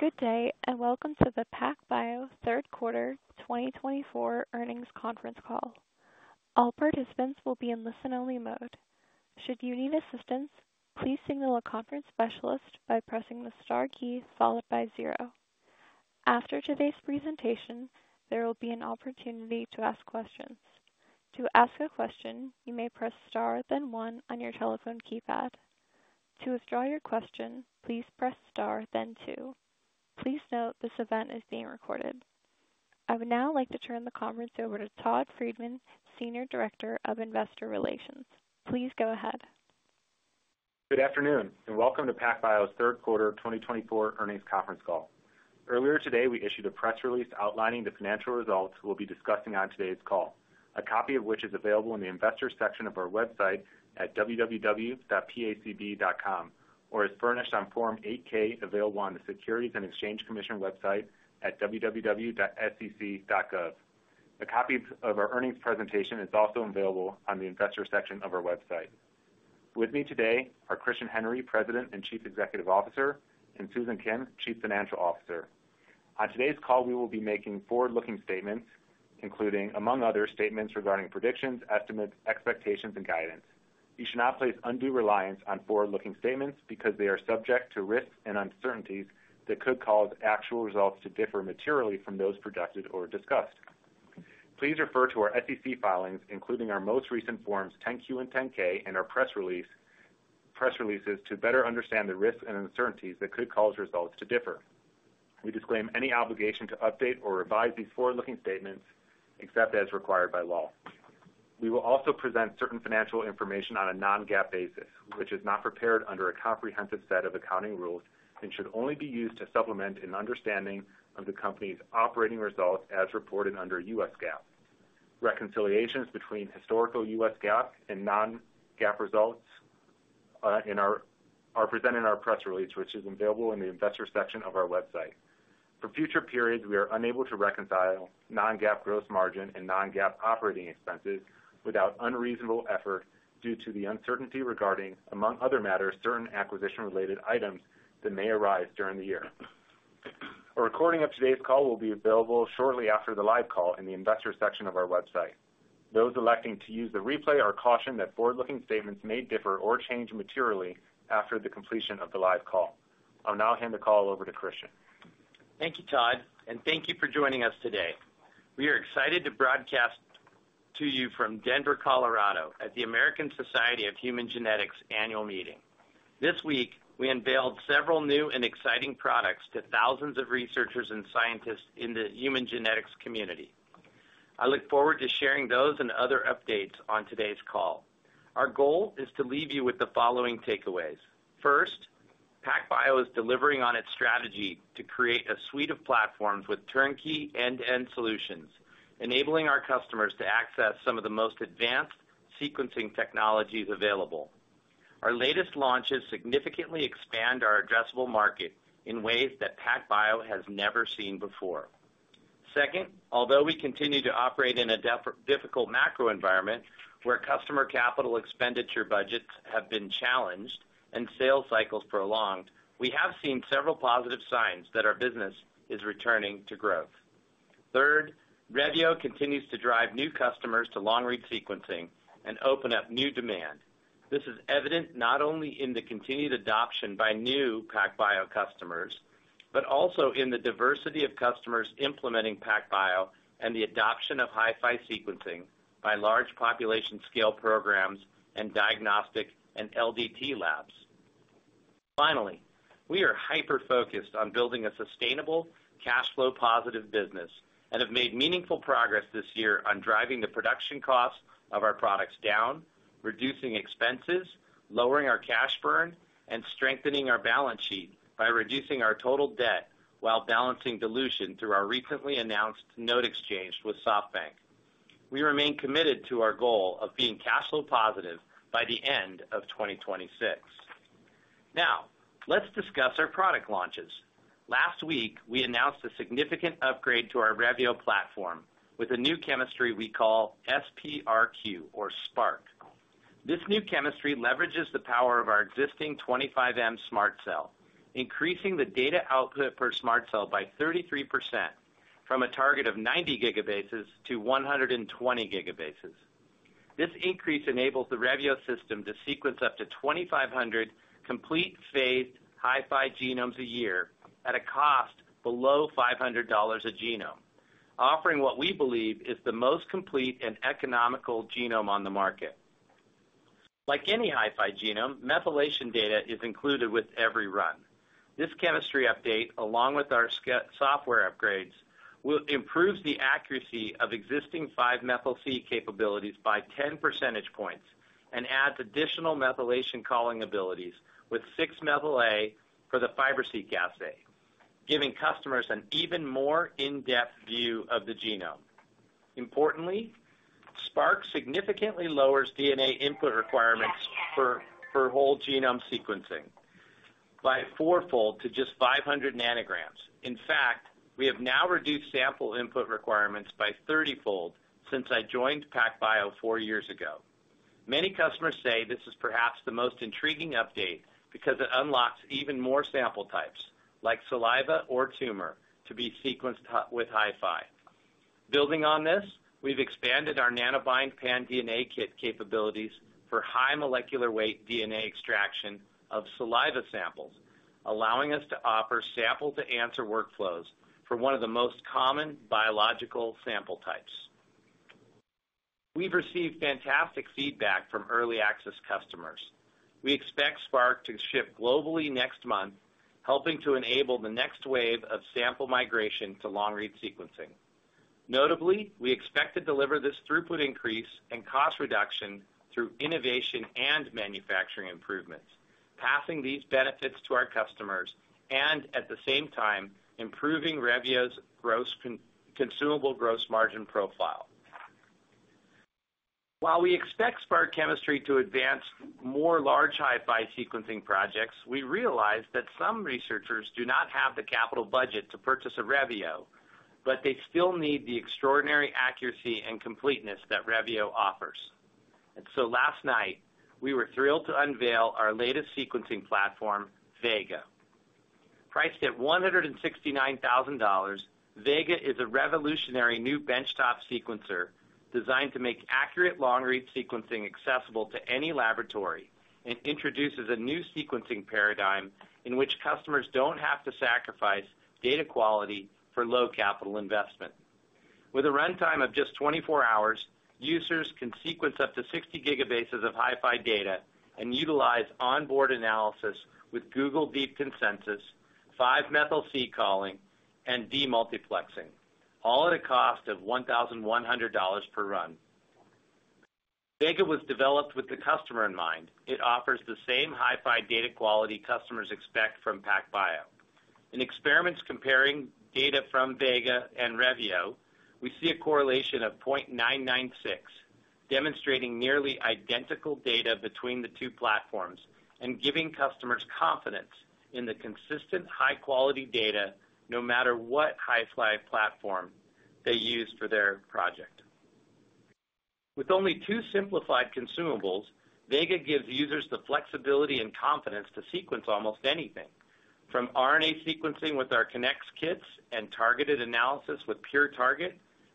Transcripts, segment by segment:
Good day and welcome to the PacBio Q3 2024 earnings conference call. All participants will be in listen-only mode. Should you need assistance, please signal a conference specialist by pressing the star key followed by zero. After today's presentation, there will be an opportunity to ask questions. To ask a question, you may press star then one on your telephone keypad. To withdraw your question, please press star then two. Please note this event is being recorded. I would now like to turn the conference over to Todd Friedman, Senior Director of Investor Relations. Please go ahead. Good afternoon and welcome to PacBio Q3 2024 earnings conference call. Earlier today, we issued a press release outlining the financial results we'll be discussing on today's call, a copy of which is available in the Investor section of our website at www.pacb.com or is furnished on Form 8-K available on the Securities and Exchange Commission website at www.sec.gov. A copy of our earnings presentation is also available on the investor section of our website. With me today are Christian Henry, President and Chief Executive Officer, and Susan Kim, Chief Financial Officer. On today's call, we will be making forward-looking statements, including, among others, statements regarding predictions, estimates, expectations, and guidance. You should not place undue reliance on forward-looking statements because they are subject to risks and uncertainties that could cause actual results to differ materially from those projected or discussed. Please refer to our SEC filings, including our most recent Forms 10-Q and 10-K, and our press releases, to better understand the risks and uncertainties that could cause results to differ. We disclaim any obligation to update or revise these forward-looking statements except as required by law. We will also present certain financial information on a non-GAAP basis, which is not prepared under a comprehensive set of accounting rules and should only be used to supplement an understanding of the company's operating results as reported under U.S. GAAP. Reconciliations between historical U.S. GAAP and non-GAAP results are presented in our press release, which is available in the investor section of our website. For future periods, we are unable to reconcile non-GAAP gross margin and non-GAAP operating expenses without unreasonable effort due to the uncertainty regarding, among other matters, certain acquisition-related items that may arise during the year. A recording of today's call will be available shortly after the live call in the investor section of our website. Those electing to use the replay are cautioned that forward-looking statements may differ or change materially after the completion of the live call. I'll now hand the call over to Christian. Thank you, Todd, and thank you for joining us today. We are excited to broadcast to you from Denver, Colorado, at the American Society of Human Genetics annual meeting. This week, we unveiled several new and exciting products to thousands of researchers and scientists in the human genetics community. I look forward to sharing those and other updates on today's call. Our goal is to leave you with the following takeaways. First, PacBio is delivering on its strategy to create a suite of platforms with turnkey end-to-end solutions, enabling our customers to access some of the most advanced sequencing technologies available. Our latest launches significantly expand our addressable market in ways that PacBio has never seen before. Second, although we continue to operate in a difficult macro environment where customer capital expenditure budgets have been challenged and sales cycles prolonged, we have seen several positive signs that our business is returning to growth. Third, Revio continues to drive new customers to long-read sequencing and open up new demand. This is evident not only in the continued adoption by new PacBio customers but also in the diversity of customers implementing PacBio and the adoption of HiFi sequencing by large population-scale programs and diagnostic and LDT labs. Finally, we are hyper-focused on building a sustainable, cash-flow-positive business and have made meaningful progress this year on driving the production costs of our products down, reducing expenses, lowering our cash burn, and strengthening our balance sheet by reducing our total debt while balancing dilution through our recently announced note exchange with SoftBank. We remain committed to our goal of being cash-flow positive by the end of 2026. Now, let's discuss our product launches. Last week, we announced a significant upgrade to our Revio platform with a new chemistry we call SPRQ or spark. This new chemistry leverages the power of our existing 25M SMRT Cell, increasing the data output per SMRT Cell by 33% from a target of 90 gigabases-120 gigabases. This increase enables the Revio system to sequence up to 2,500 complete phased HiFi genomes a year at a cost below $500 a genome, offering what we believe is the most complete and economical genome on the market. Like any HiFi genome, methylation data is included with every run. This chemistry update, along with our software upgrades, improves the accuracy of existing 5mC capabilities by 10 percentage points and adds additional methylation calling abilities with 6mA for the Fiber-Seq assay, giving customers an even more in-depth view of the genome. Importantly, SPRQ significantly lowers DNA input requirements for whole genome sequencing by a four-fold to just 500 ng. In fact, we have now reduced sample input requirements by 30-fold since I joined PacBio four years ago. Many customers say this is perhaps the most intriguing update because it unlocks even more sample types, like saliva or tumor, to be sequenced with HiFi. Building on this, we've expanded our Nanobind PanDNA kit capabilities for high molecular weight DNA extraction of saliva samples, allowing us to offer sample-to-answer workflows for one of the most common biological sample types. We've received fantastic feedback from early access customers. We expect SPRQ to ship globally next month, helping to enable the next wave of sample migration to long-read sequencing. Notably, we expect to deliver this throughput increase and cost reduction through innovation and manufacturing improvements, passing these benefits to our customers and, at the same time, improving Revio's consumable gross margin profile. While we expect SPRQ Chemistry to advance more large HiFi sequencing projects, we realize that some researchers do not have the capital budget to purchase a Revio, but they still need the extraordinary accuracy and completeness that Revio offers. And so last night, we were thrilled to unveil our latest sequencing platform, Vega. Priced at $169,000, Vega is a revolutionary new benchtop sequencer designed to make accurate long-read sequencing accessible to any laboratory and introduces a new sequencing paradigm in which customers don't have to sacrifice data quality for low capital investment. With a runtime of just 24 hours, users can sequence up to 60 gigabases of HiFi data and utilize onboard analysis with Google DeepConsensus, 5mC calling, and demultiplexing, all at a cost of $1,100 per run. Vega was developed with the customer in mind. It offers the same HiFi data quality customers expect from PacBio. In experiments comparing data from Vega and Revio, we see a correlation of 0.996, demonstrating nearly identical data between the two platforms and giving customers confidence in the consistent high-quality data, no matter what HiFi platform they use for their project. With only two simplified consumables, Vega gives users the flexibility and confidence to sequence almost anything, from RNA sequencing with our Kinnex kits and targeted analysis with PureTarget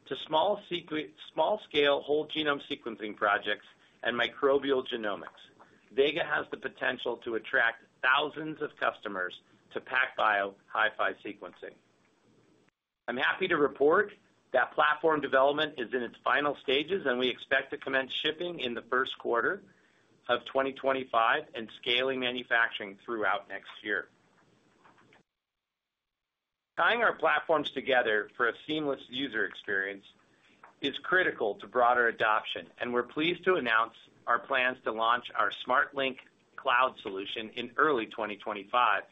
to small-scale whole genome sequencing projects and microbial genomics. Vega has the potential to attract thousands of customers to PacBio HiFi sequencing. I'm happy to report that platform development is in its final stages, and we expect to commence shipping in the first quarter of 2025 and scaling manufacturing throughout next year. Tying our platforms together for a seamless user experience is critical to broader adoption, and we're pleased to announce our plans to launch our SMRT Link cloud solution in early 2025.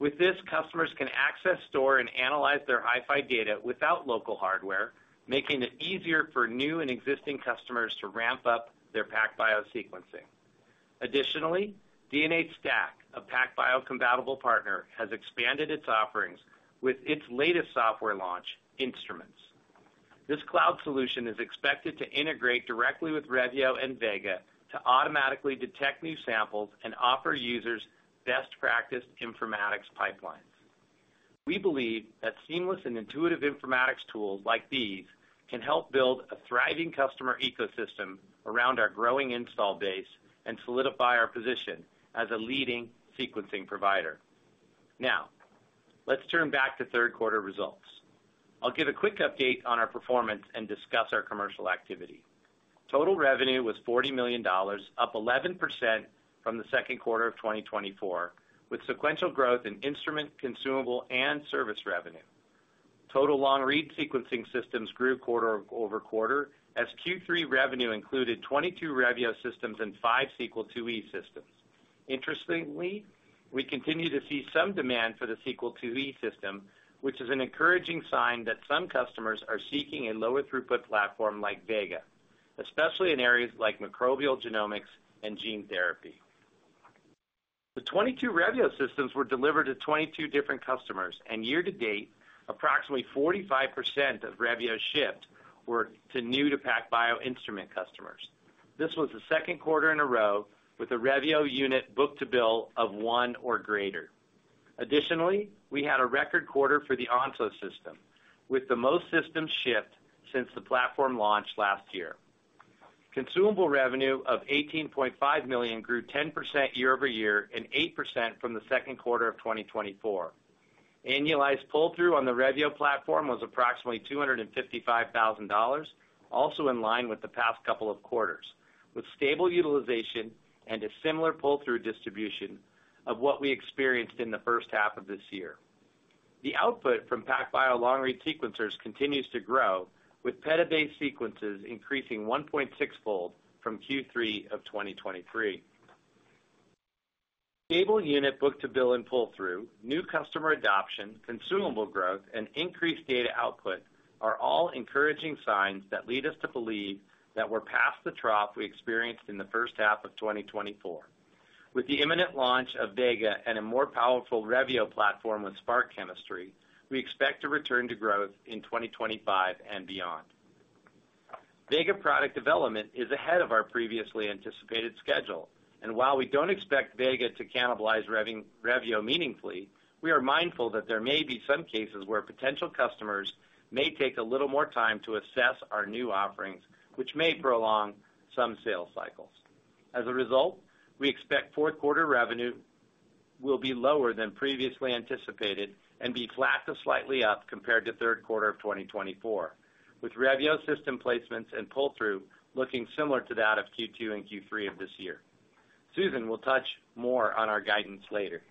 With this, customers can access, store, and analyze their HiFi data without local hardware, making it easier for new and existing customers to ramp up their PacBio sequencing. Additionally, DNAstack, a PacBio-compatible partner, has expanded its offerings with its latest software launch, Instruments. This cloud solution is expected to integrate directly with Revio and Vega to automatically detect new samples and offer users best-practice informatics pipelines. We believe that seamless and intuitive informatics tools like these can help build a thriving customer ecosystem around our growing install base and solidify our position as a leading sequencing provider. Now, let's turn back to Q3 results. I'll give a quick update on our performance and discuss our commercial activity. Total revenue was $40 million, up 11% from the second quarter of 2024, with sequential growth in instrument, consumable, and service revenue. Total long-read sequencing systems grew quarter-over-quarter as Q3 revenue included 22 Revio systems and 5 Sequel IIe systems. Interestingly, we continue to see some demand for the Sequel IIe system, which is an encouraging sign that some customers are seeking a lower-throughput platform like Vega, especially in areas like microbial genomics and gene therapy. The 22 Revio systems were delivered to 22 different customers, and year-to-date, approximately 45% of Revio shipped were to new-to-PacBio instrument customers. This was the second quarter in a row with a Revio unit book-to-bill of one or greater. Additionally, we had a record quarter for the Onso system, with the most systems shipped since the platform launch last year. Consumable revenue of $18.5 million grew 10% year-over-year and 8% from the second quarter of 2024. Annualized pull-through on the Revio platform was approximately $255,000, also in line with the past couple of quarters, with stable utilization and a similar pull-through distribution of what we experienced in the first half of this year. The output from PacBio long-read sequencers continues to grow, with petabases sequences increasing 1.6-fold from Q3 of 2023. Stable unit book-to-bill and pull-through, new customer adoption, consumable growth, and increased data output are all encouraging signs that lead us to believe that we're past the trough we experienced in the first half of 2024. With the imminent launch of Vega and a more powerful Revio platform with SPRQ chemistry, we expect to return to growth in 2025 and beyond. Vega product development is ahead of our previously anticipated schedule, and while we don't expect Vega to cannibalize Revio meaningfully, we are mindful that there may be some cases where potential customers may take a little more time to assess our new offerings, which may prolong some sales cycles. As a result, we expect Q4 revenue will be lower than previously anticipated and be flat to slightly up compared to Q3 of 2024, with Revio system placements and pull-through looking similar to that of Q2 and Q3 of this year. Susan will touch more on our guidance later.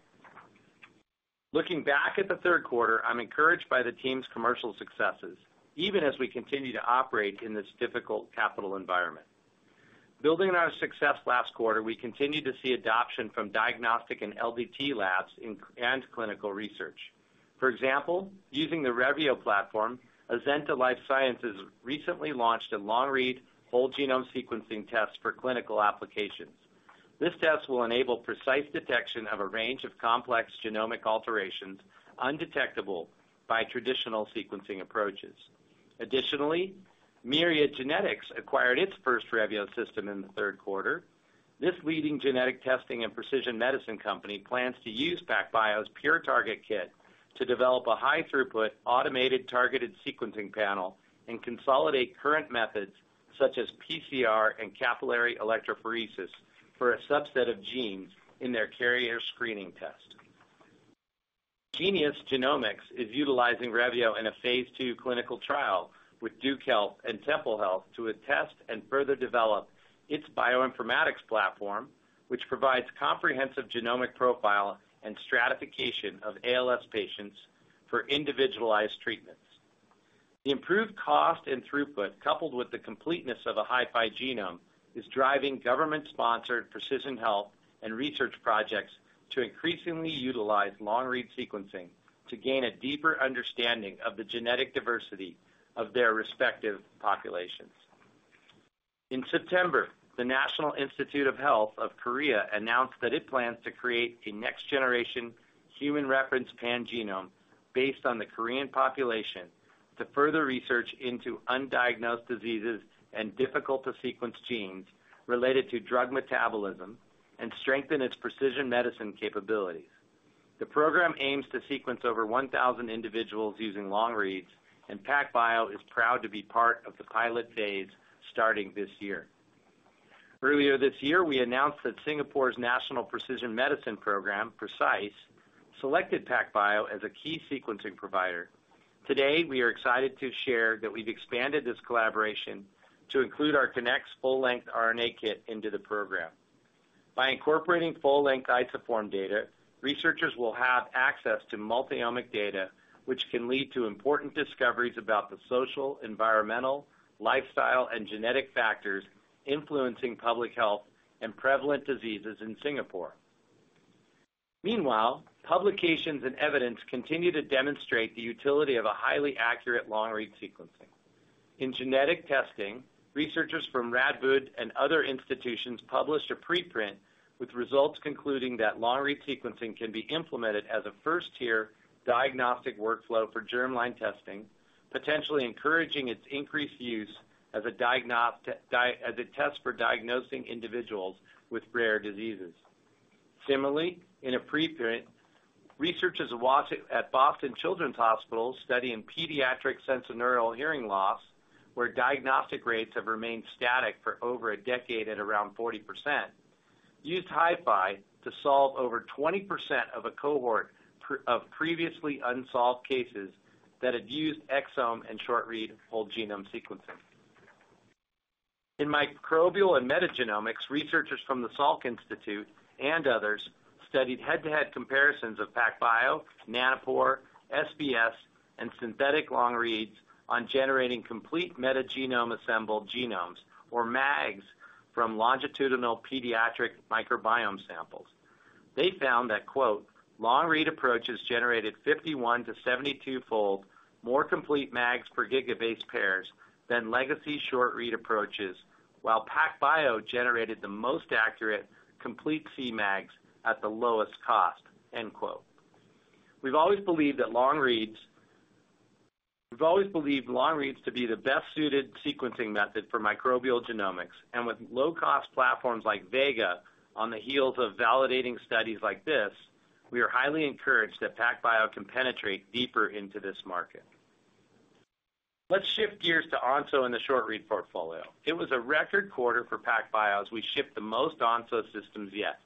Looking back at the third quarter, I'm encouraged by the team's commercial successes, even as we continue to operate in this difficult capital environment. Building on our success last quarter, we continue to see adoption from diagnostic and LDT labs and clinical research. For example, using the Revio platform, Azenta Life Sciences recently launched a long-read whole genome sequencing test for clinical applications. This test will enable precise detection of a range of complex genomic alterations undetectable by traditional sequencing approaches. Additionally, Myriad Genetics acquired its first Revio system in the third quarter. This leading genetic testing and precision medicine company plans to use PacBio's PureTarget kit to develop a high-throughput automated targeted sequencing panel and consolidate current methods such as PCR and capillary electrophoresis for a subset of genes in their carrier screening test. GenieUs Genomics is utilizing Revio in a phase II clinical trial with Duke Health and Temple Health to attest and further develop its bioinformatics platform, which provides comprehensive genomic profile and stratification of ALS patients for individualized treatments. The improved cost and throughput, coupled with the completeness of a HiFi genome, is driving government-sponsored precision health and research projects to increasingly utilize long-read sequencing to gain a deeper understanding of the genetic diversity of their respective populations. In September, the Korea National Institute of Health announced that it plans to create a next-generation human reference pangenome based on the Korean population to further research into undiagnosed diseases and difficult-to-sequence genes related to drug metabolism and strengthen its precision medicine capabilities. The program aims to sequence over 1,000 individuals using long-reads, and PacBio is proud to be part of the pilot phase starting this year. Earlier this year, we announced that Singapore's national precision medicine program, PRECISE, selected PacBio as a key sequencing provider. Today, we are excited to share that we've expanded this collaboration to include our Kinnex full-length RNA kit into the program. By incorporating full-length isoform data, researchers will have access to multi-omic data, which can lead to important discoveries about the social, environmental, lifestyle, and genetic factors influencing public health and prevalent diseases in Singapore. Meanwhile, publications and evidence continue to demonstrate the utility of a highly accurate long-read sequencing. In genetic testing, researchers from Radboud and other institutions published a preprint with results concluding that long-read sequencing can be implemented as a first-tier diagnostic workflow for germline testing, potentially encouraging its increased use as a test for diagnosing individuals with rare diseases. Similarly, in a preprint, researchers at Boston Children's Hospital studying pediatric sensorineural hearing loss, where diagnostic rates have remained static for over a decade at around 40%, used HiFi to solve over 20% of a cohort of previously unsolved cases that had used exome and short-read whole genome sequencing. In microbial and metagenomics, researchers from the Salk Institute and others studied head-to-head comparisons of PacBio, Nanopore, SBS, and synthetic long-reads on generating complete metagenome-assembled genomes, or MAGs, from longitudinal pediatric microbiome samples. They found that, quote, "Long-read approaches generated 51- to 72-fold more complete MAGs per gigabase than legacy short-read approaches, while PacBio generated the most accurate complete MAGs at the lowest cost." We've always believed that long-reads to be the best-suited sequencing method for microbial genomics, and with low-cost platforms like Vega on the heels of validating studies like this, we are highly encouraged that PacBio can penetrate deeper into this market. Let's shift gears to Onso and the short-read portfolio. It was a record quarter for PacBio as we shipped the most Onso systems yet,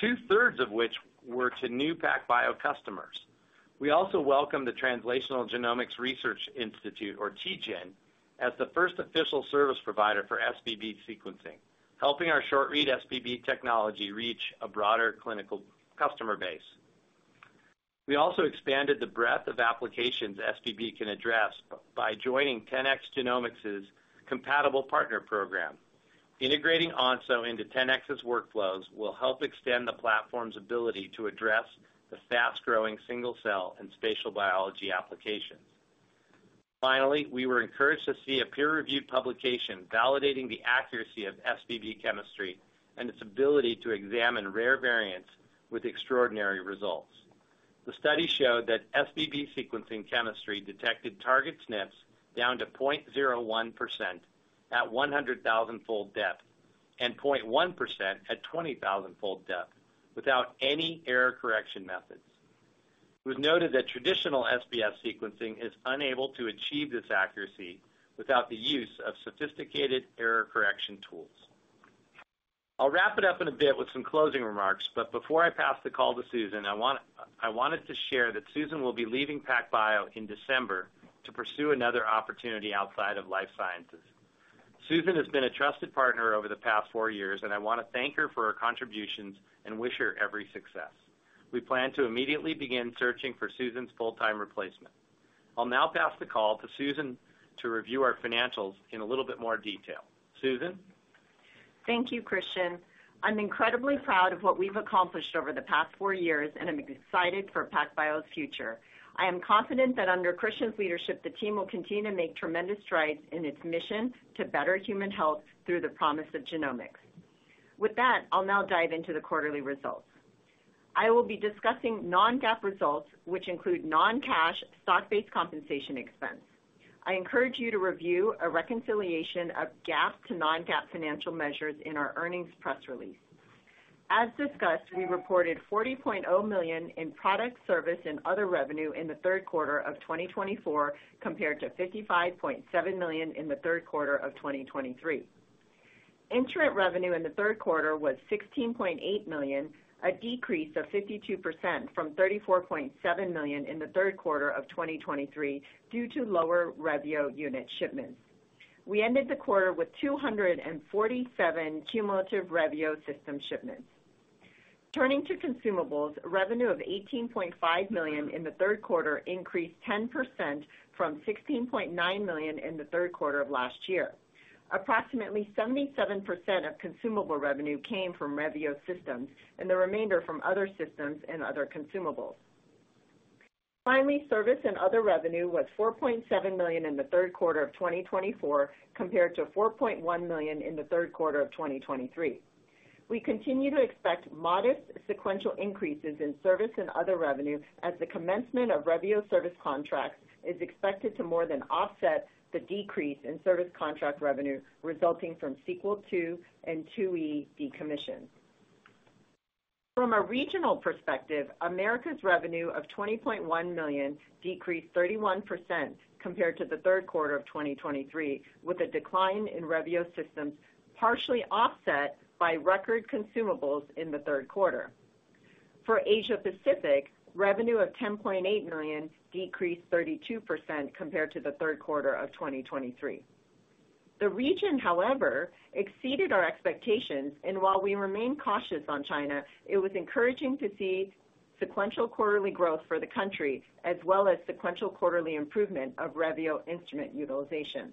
two-thirds of which were to new PacBio customers. We also welcomed the Translational Genomics Research Institute, or TGen, as the first official service provider for SBB sequencing, helping our short-read SBB technology reach a broader clinical customer base. We also expanded the breadth of applications SBB can address by joining 10x Genomics' compatible partner program. Integrating Onso into 10x's workflows will help extend the platform's ability to address the fast-growing single-cell and spatial biology applications. Finally, we were encouraged to see a peer-reviewed publication validating the accuracy of SBB chemistry and its ability to examine rare variants with extraordinary results. The study showed that SBB sequencing chemistry detected target SNPs down to 0.01% at 100,000-fold depth and 0.1% at 20,000-fold depth without any error correction methods. It was noted that traditional SBS sequencing is unable to achieve this accuracy without the use of sophisticated error correction tools. I'll wrap it up in a bit with some closing remarks, but before I pass the call to Susan, I wanted to share that Susan will be leaving PacBio in December to pursue another opportunity outside of life sciences. Susan has been a trusted partner over the past four years, and I want to thank her for her contributions and wish her every success. We plan to immediately begin searching for Susan's full-time replacement. I'll now pass the call to Susan to review our financials in a little bit more detail. Susan. Thank you, Christian. I'm incredibly proud of what we've accomplished over the past four years, and I'm excited for PacBio's future. I am confident that under Christian's leadership, the team will continue to make tremendous strides in its mission to better human health through the promise of genomics. With that, I'll now dive into the quarterly results. I will be discussing non-GAAP results, which include non-cash stock-based compensation expense. I encourage you to review a reconciliation of GAAP to non-GAAP financial measures in our earnings press release. As discussed, we reported $40.0 million in product service and other revenue in the third quarter of 2024 compared to $55.7 million in the third quarter of 2023. Instrument revenue in the third quarter was $16.8 million, a decrease of 52% from $34.7 million in the third quarter of 2023 due to lower Revio unit shipments. We ended the quarter with 247 cumulative Revio system shipments. Turning to consumables, revenue of $18.5 million in the third quarter increased 10% from $16.9 million in the third quarter of last year. Approximately 77% of consumable revenue came from Revio systems, and the remainder from other systems and other consumables. Finally, service and other revenue was $4.7 million in the third quarter of 2024 compared to $4.1 million in the third quarter of 2023. We continue to expect modest sequential increases in service and other revenue as the commencement of Revio service contracts is expected to more than offset the decrease in service contract revenue resulting from Sequel II and IIe decommissioning. From a regional perspective, Americas revenue of $20.1 million decreased 31% compared to the third quarter of 2023, with a decline in Revio systems partially offset by record consumables in the third quarter. For Asia-Pacific, revenue of $10.8 million decreased 32% compared to the third quarter of 2023. The region, however, exceeded our expectations, and while we remain cautious on China, it was encouraging to see sequential quarterly growth for the country as well as sequential quarterly improvement of Revio instrument utilization.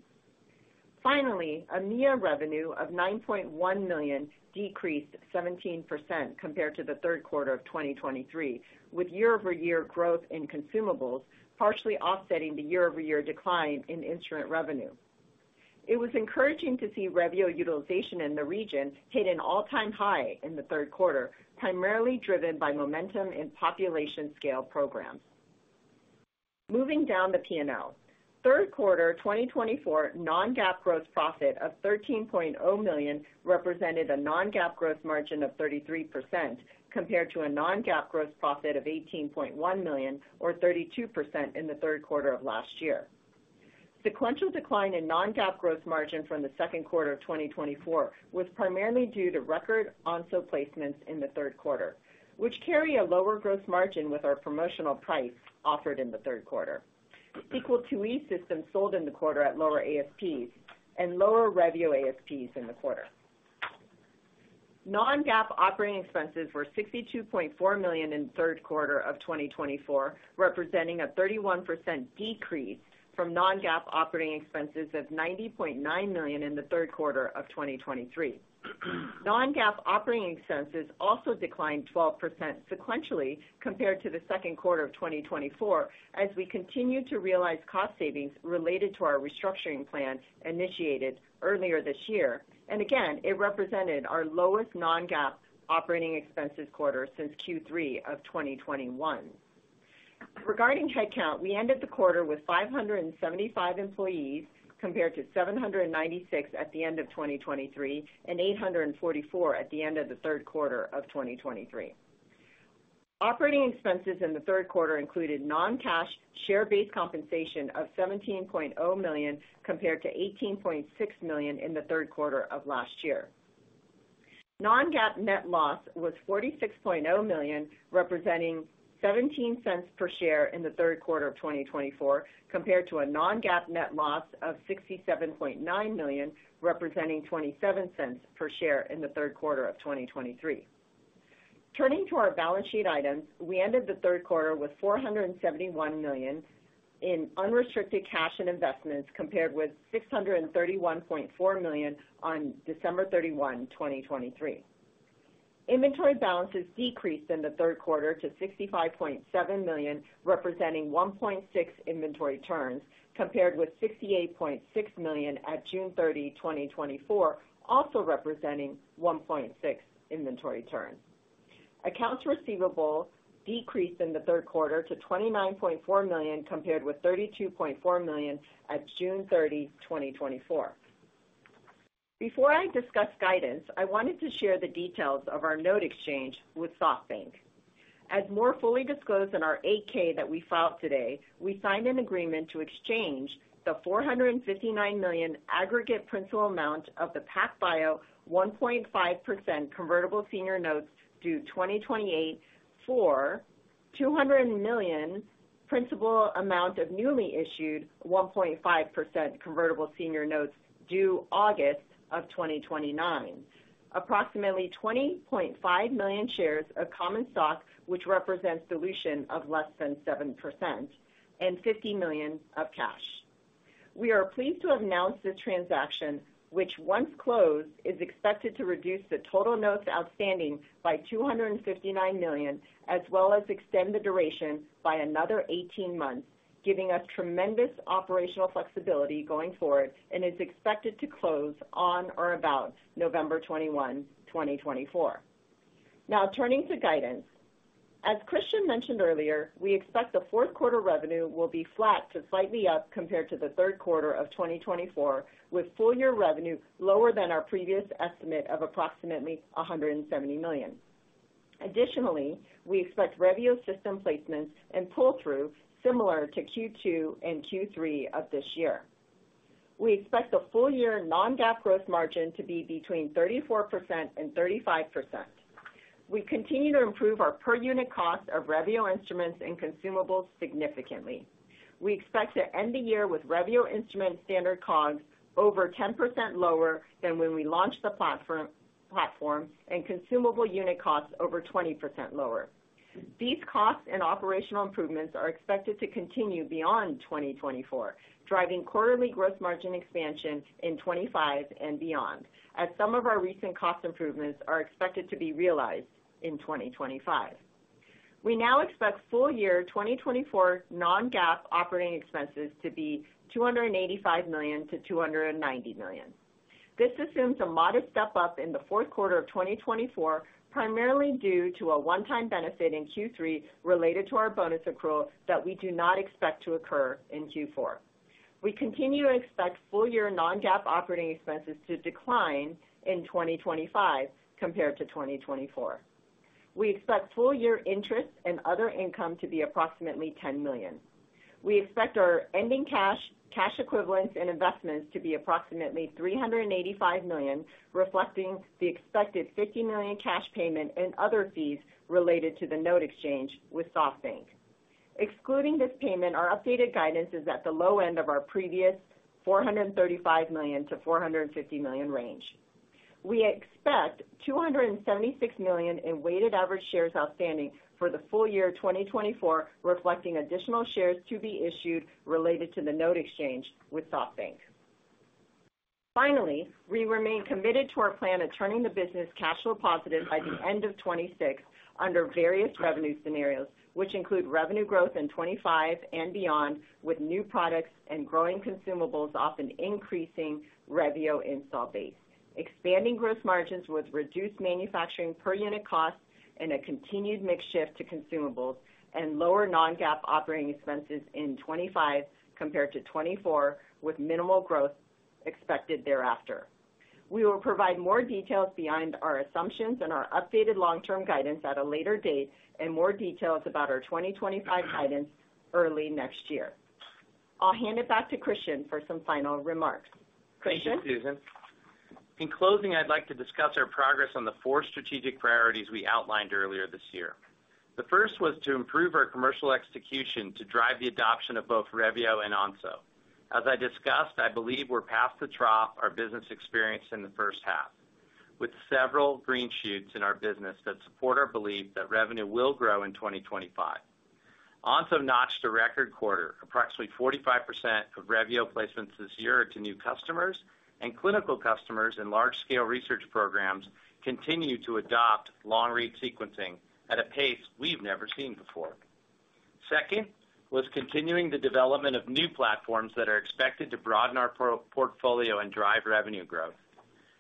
Finally, EMEA revenue of $9.1 million decreased 17% compared to the third quarter of 2023, with year-over-year growth in consumables partially offsetting the year-over-year decline in instrument revenue. It was encouraging to see Revio utilization in the region hit an all-time high in the third quarter, primarily driven by momentum in population-scale programs. Moving down the P&L, third quarter 2024 non-GAAP gross profit of $13.0 million represented a non-GAAP gross margin of 33% compared to a non-GAAP gross profit of $18.1 million, or 32% in the third quarter of last year. Sequential decline in non-GAAP gross margin from the second quarter of 2024 was primarily due to record Onso placements in the third quarter, which carry a lower gross margin with our promotional price offered in the third quarter. Sequel IIe systems sold in the quarter at lower ASPs and lower Revio ASPs in the quarter. Non-GAAP operating expenses were $62.4 million in the third quarter of 2024, representing a 31% decrease from non-GAAP operating expenses of $90.9 million in the third quarter of 2023. Non-GAAP operating expenses also declined 12% sequentially compared to the second quarter of 2024 as we continued to realize cost savings related to our restructuring plan initiated earlier this year. Again, it represented our lowest non-GAAP operating expenses quarter since Q3 of 2021. Regarding headcount, we ended the quarter with 575 employees compared to 796 at the end of 2023 and 844 at the end of the third quarter of 2023. Operating expenses in the third quarter included non-cash share-based compensation of $17.0 million compared to $18.6 million in the third quarter of last year. Non-GAAP net loss was $46.0 million, representing $0.17 per share in the third quarter of 2024 compared to a non-GAAP net loss of $67.9 million, representing $0.27 per share in the third quarter of 2023. Turning to our balance sheet items, we ended the third quarter with $471 million in unrestricted cash and investments compared with $631.4 million on December 31, 2023. Inventory balances decreased in the third quarter to $65.7 million, representing 1.6 inventory turns, compared with $68.6 million at June 30, 2024, also representing 1.6 inventory turns. Accounts receivable decreased in the third quarter to $29.4 million compared with $32.4 million at June 30, 2024. Before I discuss guidance, I wanted to share the details of our note exchange with SoftBank. As more fully disclosed in our 8-K that we filed today, we signed an agreement to exchange the $459 million aggregate principal amount of the PacBio 1.5% convertible senior notes due 2028 for $200 million principal amount of newly issued 1.5% convertible senior notes due August of 2029, approximately 20.5 million shares of common stock, which represents dilution of less than 7%, and $50 million of cash. We are pleased to announce this transaction, which once closed is expected to reduce the total notes outstanding by $259 million, as well as extend the duration by another 18 months, giving us tremendous operational flexibility going forward and is expected to close on or about November 21, 2024. Now, turning to guidance. As Christian mentioned earlier, we expect the fourth quarter revenue will be flat to slightly up compared to the third quarter of 2024, with full-year revenue lower than our previous estimate of approximately $170 million. Additionally, we expect Revio system placements and pull-through similar to Q2 and Q3 of this year. We expect the full-year non-GAAP gross margin to be between 34% and 35%. We continue to improve our per-unit cost of Revio instruments and consumables significantly. We expect to end the year with Revio instrument standard COGS over 10% lower than when we launched the platform and consumable unit costs over 20% lower. These costs and operational improvements are expected to continue beyond 2024, driving quarterly gross margin expansion in 2025 and beyond, as some of our recent cost improvements are expected to be realized in 2025. We now expect full-year 2024 non-GAAP operating expenses to be $285 million-$290 million. This assumes a modest step up in the fourth quarter of 2024, primarily due to a one-time benefit in Q3 related to our bonus accrual that we do not expect to occur in Q4. We continue to expect full-year non-GAAP operating expenses to decline in 2025 compared to 2024. We expect full-year interest and other income to be approximately $10 million. We expect our ending cash equivalents and investments to be approximately $385 million, reflecting the expected $50 million cash payment and other fees related to the note exchange with SoftBank. Excluding this payment, our updated guidance is at the low end of our previous $435 million-$450 million range. We expect 276 million in weighted average shares outstanding for the full year 2024, reflecting additional shares to be issued related to the note exchange with SoftBank. Finally, we remain committed to our plan of turning the business cash flow positive by the end of 2026 under various revenue scenarios, which include revenue growth in 2025 and beyond, with new products and growing consumables often increasing Revio install base, expanding gross margins with reduced manufacturing per unit cost and a continued mix shift to consumables, and lower non-GAAP operating expenses in 2025 compared to 2024, with minimal growth expected thereafter. We will provide more details beyond our assumptions and our updated long-term guidance at a later date and more details about our 2025 guidance early next year. I'll hand it back to Christian for some final remarks. Christian. Thank you, Susan. In closing, I'd like to discuss our progress on the four strategic priorities we outlined earlier this year. The first was to improve our commercial execution to drive the adoption of both Revio and Onso. As I discussed, I believe we're past the trough of our business experience in the first half, with several green shoots in our business that support our belief that revenue will grow in 2025. Onso notched a record quarter, approximately 45% of Revio placements this year to new customers and clinical customers and large-scale research programs continue to adopt long-read sequencing at a pace we've never seen before. Second was continuing the development of new platforms that are expected to broaden our portfolio and drive revenue growth.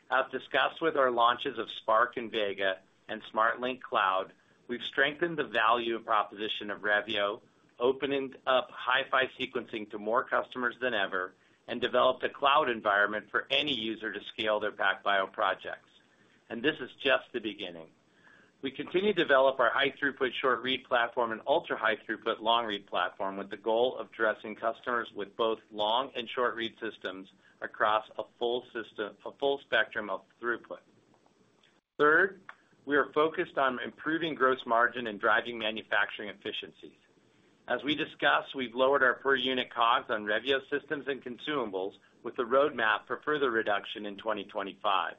As discussed with our launches of SPRQ and Vega and SMRT Link Cloud, we've strengthened the value proposition of Revio, opening up HiFi sequencing to more customers than ever, and developed a cloud environment for any user to scale their PacBio projects. This is just the beginning. We continue to develop our high-throughput short-read platform and ultra-high-throughput long-read platform with the goal of addressing customers with both long and short-read systems across a full spectrum of throughput. Third, we are focused on improving gross margin and driving manufacturing efficiencies. As we discussed, we've lowered our per-unit COGS on Revio systems and consumables with a roadmap for further reduction in 2025.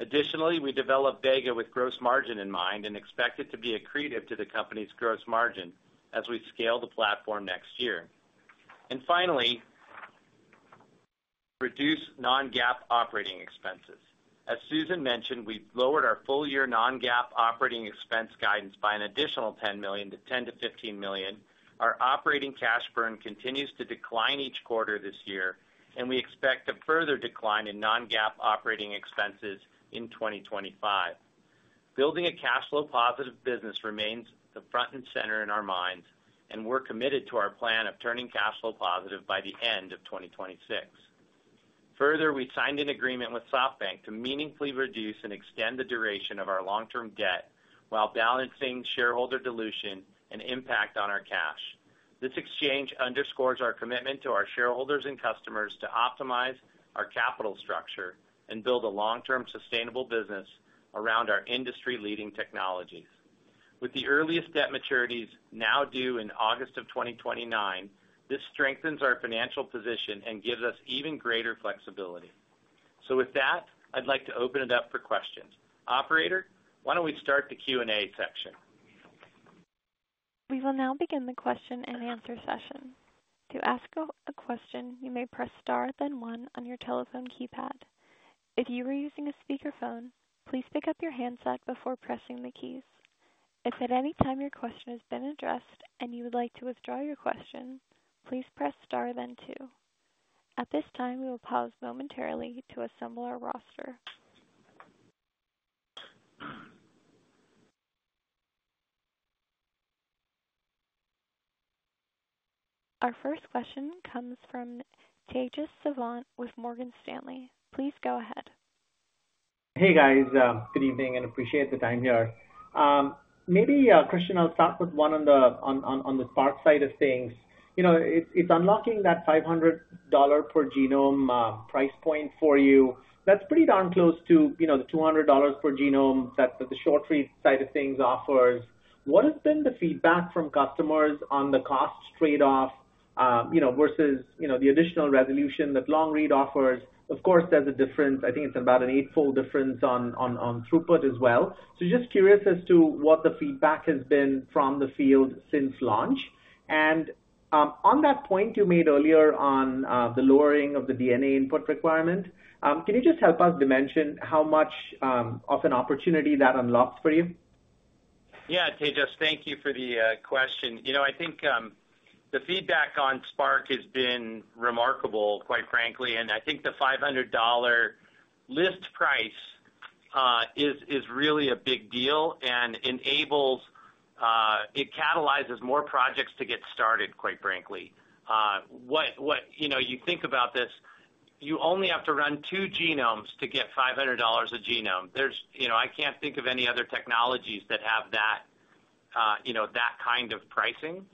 Additionally, we developed Vega with gross margin in mind and expect it to be accretive to the company's gross margin as we scale the platform next year. Finally, reduce non-GAAP operating expenses. As Susan mentioned, we've lowered our full-year non-GAAP operating expense guidance by an additional $10 million, $10-$15 million. Our operating cash burn continues to decline each quarter this year, and we expect a further decline in non-GAAP operating expenses in 2025. Building a cash flow positive business remains the front and center in our minds, and we're committed to our plan of turning cash flow positive by the end of 2026. Further, we signed an agreement with SoftBank to meaningfully reduce and extend the duration of our long-term debt while balancing shareholder dilution and impact on our cash. This exchange underscores our commitment to our shareholders and customers to optimize our capital structure and build a long-term sustainable business around our industry-leading technologies. With the earliest debt maturities now due in August of 2029, this strengthens our financial position and gives us even greater flexibility. So with that, I'd like to open it up for questions. Operator, why don't we start the Q&A section? We will now begin the question and answer session. To ask a question, you may press star then one on your telephone keypad. If you are using a speakerphone, please pick up your handset before pressing the keys. If at any time your question has been addressed and you would like to withdraw your question, please press star then two. At this time, we will pause momentarily to assemble our roster. Our first question comes from Tejas Savant with Morgan Stanley. Please go ahead. Hey, guys. Good evening and appreciate the time here. Maybe, Christian, I'll start with one on the SPRQ side of things. It's unlocking that $500 per genome price point for you. That's pretty darn close to the $200 per genome that the short-read side of things offers. What has been the feedback from customers on the cost trade-off versus the additional resolution that long-read offers? Of course, there's a difference. I think it's about an eightfold difference on throughput as well. So just curious as to what the feedback has been from the field since launch. And on that point you made earlier on the lowering of the DNA input requirement, can you just help us dimension how much of an opportunity that unlocks for you? Yeah, Tejas, thank you for the question. I think the feedback on SPRQ has been remarkable, quite frankly. And I think the $500 list price is really a big deal and enables it catalyzes more projects to get started, quite frankly. You think about this, you only have to run two genomes to get $500 a genome. I can't think of any other technologies that have that kind of pricing.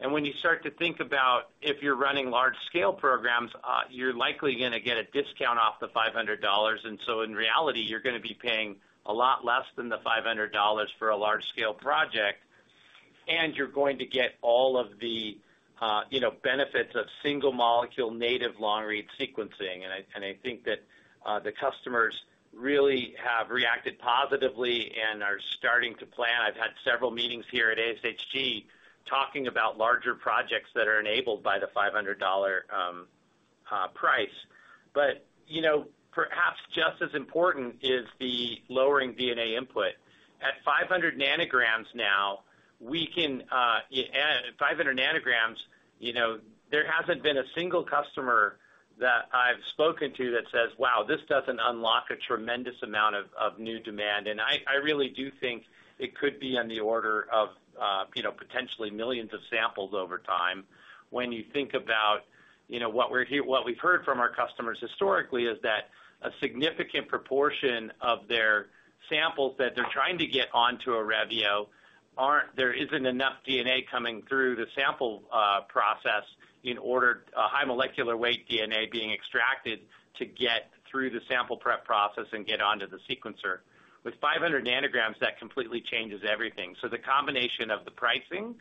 And when you start to think about if you're running large-scale programs, you're likely going to get a discount off the $500. And so in reality, you're going to be paying a lot less than the $500 for a large-scale project, and you're going to get all of the benefits of single molecule native long-read sequencing. And I think that the customers really have reacted positively and are starting to plan. I've had several meetings here at ASHG talking about larger projects that are enabled by the $500 price. But perhaps just as important is the lowering DNA input. At 500 ng now, we can, there hasn't been a single customer that I've spoken to that says, "Wow, this doesn't unlock a tremendous amount of new demand." And I really do think it could be on the order of potentially millions of samples over time. When you think about what we've heard from our customers historically is that a significant proportion of their samples that they're trying to get onto a Revio aren't there isn't enough DNA coming through the sample process in order high molecular weight DNA being extracted to get through the sample prep process and get onto the sequencer. With 500 ng, that completely changes everything. The combination of the pricing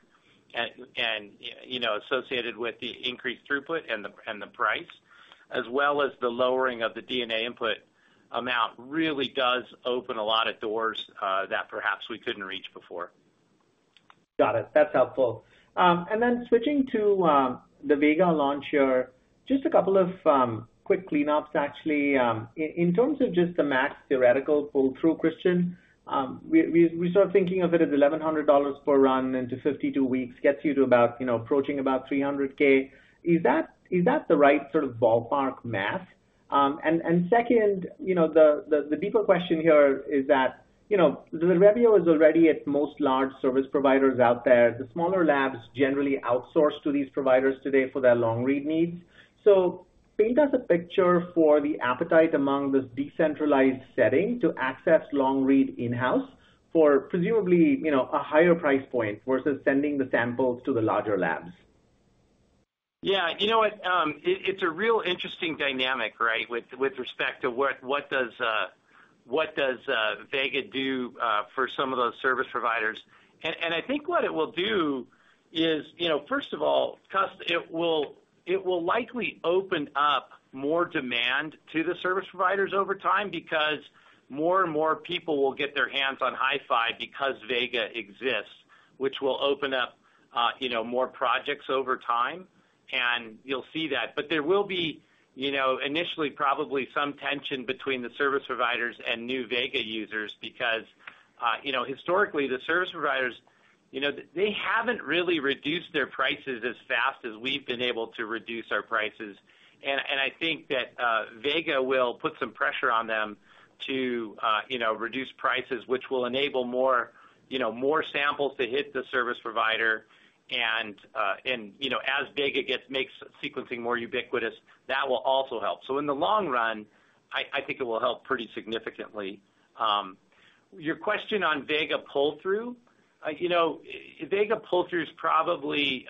associated with the increased throughput and the price, as well as the lowering of the DNA input amount, really does open a lot of doors that perhaps we couldn't reach before. Got it. That's helpful. Then switching to the Vega launch year, just a couple of quick cleanups, actually. In terms of just the max theoretical pull-through, Christian, we're sort of thinking of it as $1,100 per run into 52 weeks gets you to about approaching about $300,000. Is that the right sort of ballpark math? And second, the deeper question here is that the Revio is already in most large service providers out there. The smaller labs generally outsource to these providers today for their long-read needs. So paint us a picture for the appetite among this decentralized setting to access long-read in-house for presumably a higher price point versus sending the samples to the larger labs. Yeah. You know what? It's a real interesting dynamic, right, with respect to what does Vega do for some of those service providers. And I think what it will do is, first of all, it will likely open up more demand to the service providers over time because more and more people will get their hands on HiFi because Vega exists, which will open up more projects over time. And you'll see that. But there will be initially probably some tension between the service providers and new Vega users because historically, the service providers, they haven't really reduced their prices as fast as we've been able to reduce our prices. And I think that Vega will put some pressure on them to reduce prices, which will enable more samples to hit the service provider. And as Vega makes sequencing more ubiquitous, that will also help. So in the long run, I think it will help pretty significantly. Your question on Vega pull-through, Vega pull-through is probably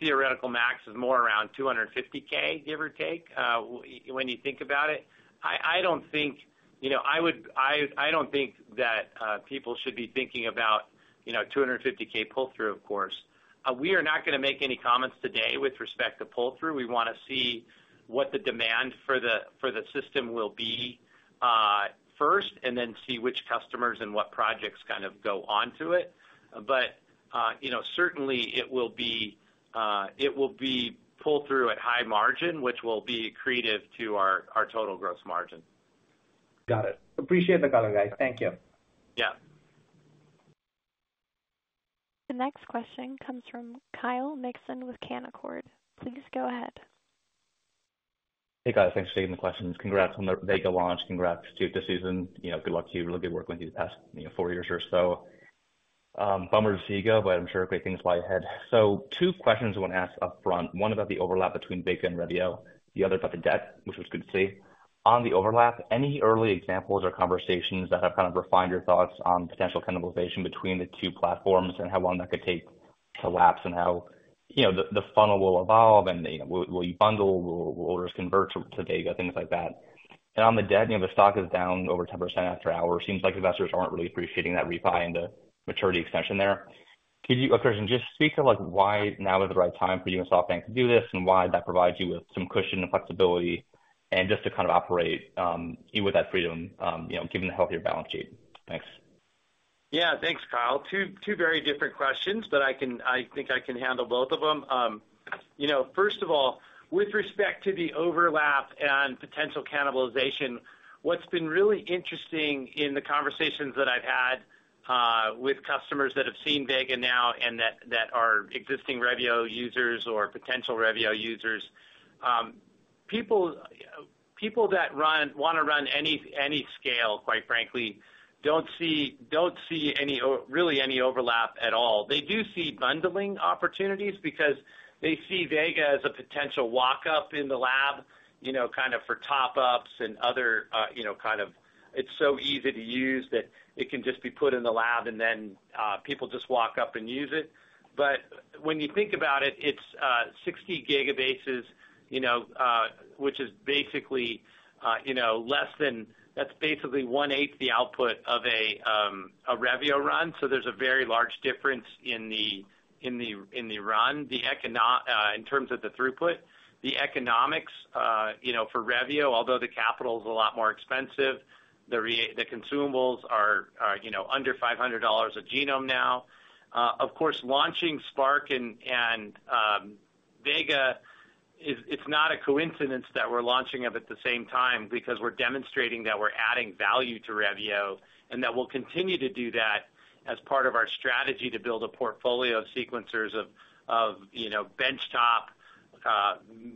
theoretical max is more around 250,000, give or take, when you think about it. I don't think that people should be thinking about 250,000 pull-through, of course. We are not going to make any comments today with respect to pull-through. We want to see what the demand for the system will be first and then see which customers and what projects kind of go onto it. But certainly, it will be pull-through at high margin, which will be accretive to our total gross margin. Got it. Appreciate the color, guys. Thank you. Yeah. The next question comes from Kyle Mikson with Canaccord. Please go ahead. Hey, guys. Thanks for taking the questions. Congrats on the Vega launch. Congrats to Susan. Good luck to you. Really good work with you the past four years or so. Bummer to see you go, but I'm sure great things lie ahead. So two questions I want to ask upfront. One about the overlap between Vega and Revio. The other about the debt, which was good to see. On the overlap, any early examples or conversations that have kind of refined your thoughts on potential cannibalization between the two platforms and how long that could take to lapse and how the funnel will evolve and will you bundle, will orders convert to Vega, things like that? And on the debt, the stock is down over 10% after hours. Seems like investors aren't really appreciating that refi and the maturity extension there. Christian, just speak to why now is the right time for you and SoftBank to do this and why that provides you with some cushion and flexibility and just to kind of operate with that freedom, given the healthier balance sheet. Thanks. Yeah. Thanks, Kyle. Two very different questions, but I think I can handle both of them. First of all, with respect to the overlap and potential cannibalization, what's been really interesting in the conversations that I've had with customers that have seen Vega now and that are existing Revio users or potential Revio users, people that want to run any scale, quite frankly, don't see really any overlap at all. They do see bundling opportunities because they see Vega as a potential walk-up in the lab kind of for top-ups and other kind of. It's so easy to use that it can just be put in the lab and then people just walk up and use it. But when you think about it, it's 60 gigabases, which is basically less than that. That's basically one-eighth the output of a Revio run. So there's a very large difference in the run in terms of the throughput. The economics for Revio, although the capital is a lot more expensive, the consumables are under $500 a genome now. Of course, launching SPRQ and Vega, it's not a coincidence that we're launching them at the same time because we're demonstrating that we're adding value to Revio and that we'll continue to do that as part of our strategy to build a portfolio of sequencers of benchtop,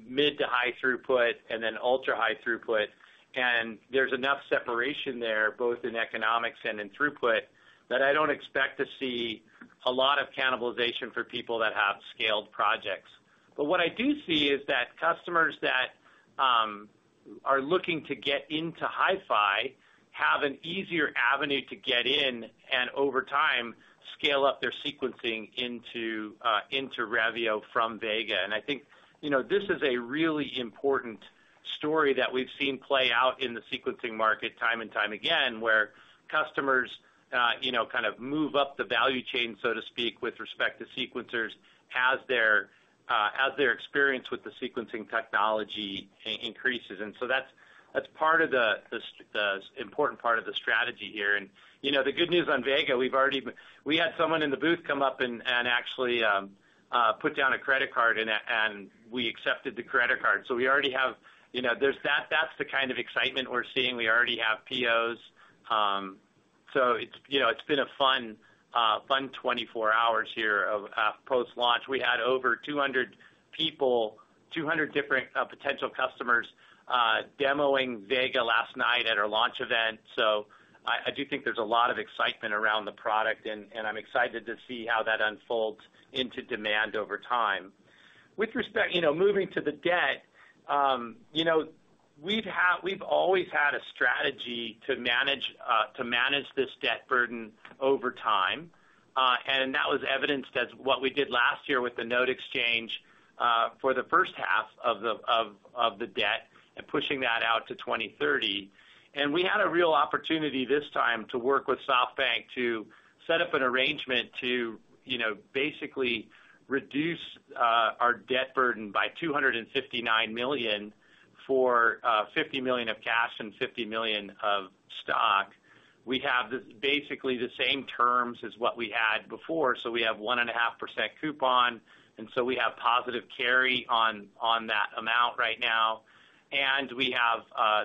mid to high throughput, and then ultra-high throughput. And there's enough separation there, both in economics and in throughput, that I don't expect to see a lot of cannibalization for people that have scaled projects. But what I do see is that customers that are looking to get into HiFi have an easier avenue to get in and over time scale up their sequencing into Revio from Vega. And I think this is a really important story that we've seen play out in the sequencing market time and time again where customers kind of move up the value chain, so to speak, with respect to sequencers as their experience with the sequencing technology increases. And so that's part of the important part of the strategy here. And the good news on Vega, we had someone in the booth come up and actually put down a credit card, and we accepted the credit card. So we already have that's the kind of excitement we're seeing. We already have POs. So it's been a fun 24 hours here post-launch. We had over 200 people, 200 different potential customers demoing Vega last night at our launch event. So I do think there's a lot of excitement around the product, and I'm excited to see how that unfolds into demand over time. With respect to moving to the debt, we've always had a strategy to manage this debt burden over time, and that was evidenced as what we did last year with the note exchange for the first half of the debt and pushing that out to 2030, and we had a real opportunity this time to work with SoftBank to set up an arrangement to basically reduce our debt burden by $259 million for $50 million of cash and $50 million of stock. We have basically the same terms as what we had before, so we have 1.5% coupon, and so we have positive carry on that amount right now, and for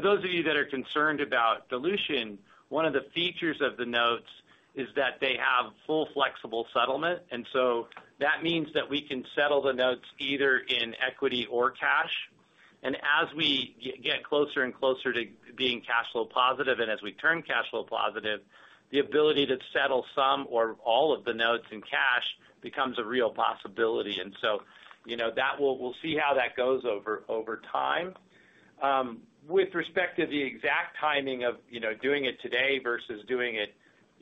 those of you that are concerned about dilution, one of the features of the notes is that they have fully flexible settlement. And so that means that we can settle the notes either in equity or cash. And as we get closer and closer to being cash flow positive and as we turn cash flow positive, the ability to settle some or all of the notes in cash becomes a real possibility. And so we'll see how that goes over time. With respect to the exact timing of doing it today versus doing it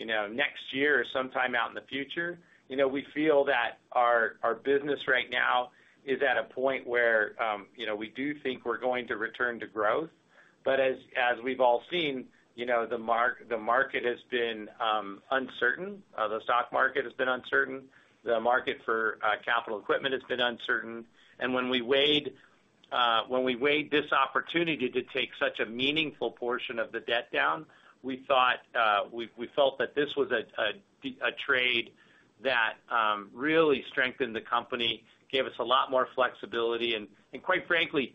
next year or sometime out in the future, we feel that our business right now is at a point where we do think we're going to return to growth. But as we've all seen, the market has been uncertain. The stock market has been uncertain. The market for capital equipment has been uncertain. When we weighed this opportunity to take such a meaningful portion of the debt down, we felt that this was a trade that really strengthened the company, gave us a lot more flexibility. Quite frankly,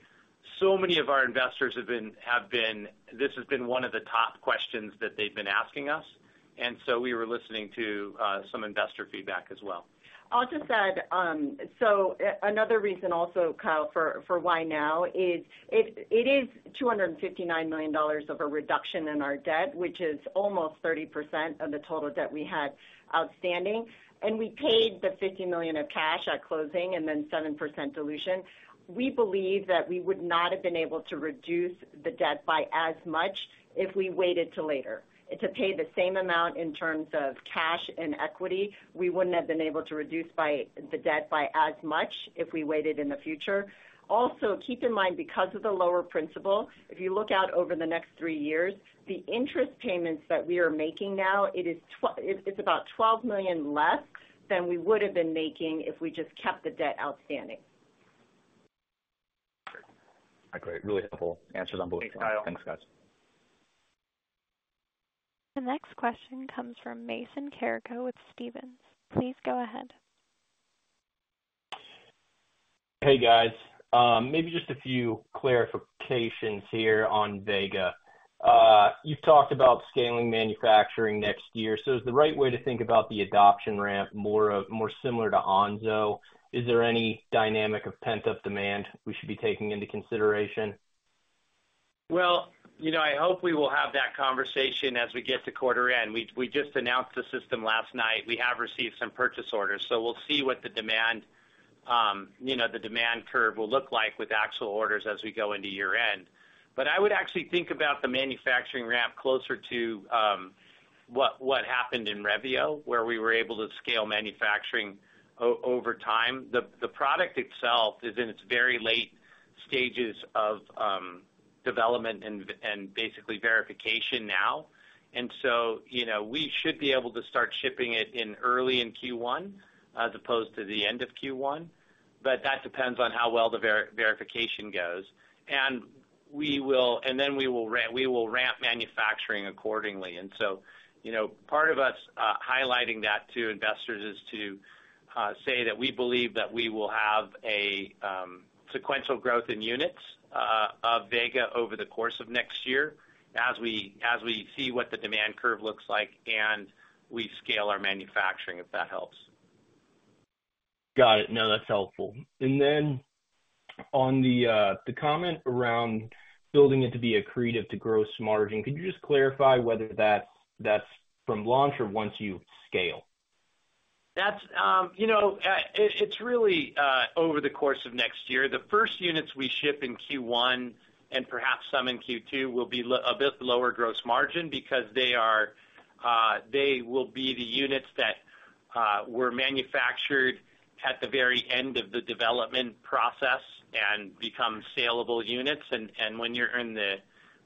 so many of our investors have been asking us. This has been one of the top questions that they've been asking us. So we were listening to some investor feedback as well. I'll just add, another reason also, Kyle, for why now is it is $259 million of a reduction in our debt, which is almost 30% of the total debt we had outstanding. We paid the $50 million of cash at closing and then 7% dilution. We believe that we would not have been able to reduce the debt by as much if we waited till later. To pay the same amount in terms of cash and equity, we wouldn't have been able to reduce the debt by as much if we waited in the future. Also, keep in mind, because of the lower principal, if you look out over the next three years, the interest payments that we are making now, it's about $12 million less than we would have been making if we just kept the debt outstanding. Great. Really helpful answers on both sides. Thanks Kyle. Thanks, guys. The next question comes from Mason Carrico with Stephens. Please go ahead. Hey, guys. Maybe just a few clarifications here on Vega. You've talked about scaling manufacturing next year. So is the right way to think about the adoption ramp more similar to Onso? Is there any dynamic of pent-up demand we should be taking into consideration? I hope we will have that conversation as we get to quarter end. We just announced the system last night. We have received some purchase orders. We'll see what the demand curve will look like with actual orders as we go into year-end. I would actually think about the manufacturing ramp closer to what happened in Revio, where we were able to scale manufacturing over time. The product itself is in its very late stages of development and basically verification now. We should be able to start shipping it early in Q1 as opposed to the end of Q1. That depends on how well the verification goes. We will ramp manufacturing accordingly. And so part of us highlighting that to investors is to say that we believe that we will have a sequential growth in units of Vega over the course of next year as we see what the demand curve looks like and we scale our manufacturing, if that helps. Got it. No, that's helpful. And then on the comment around building it to be accretive to gross margin, could you just clarify whether that's from launch or once you scale? It's really over the course of next year. The first units we ship in Q1 and perhaps some in Q2 will be a bit lower gross margin because they will be the units that were manufactured at the very end of the development process and become saleable units. And when you're in the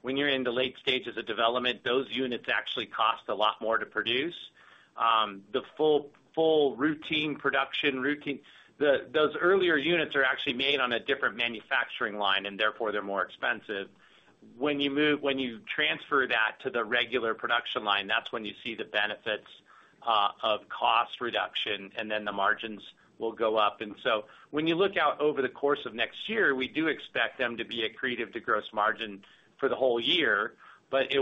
late stages of development, those units actually cost a lot more to produce. The full routine production, those earlier units are actually made on a different manufacturing line, and therefore they're more expensive. When you transfer that to the regular production line, that's when you see the benefits of cost reduction, and then the margins will go up. And so when you look out over the course of next year, we do expect them to be accretive to gross margin for the whole year, but it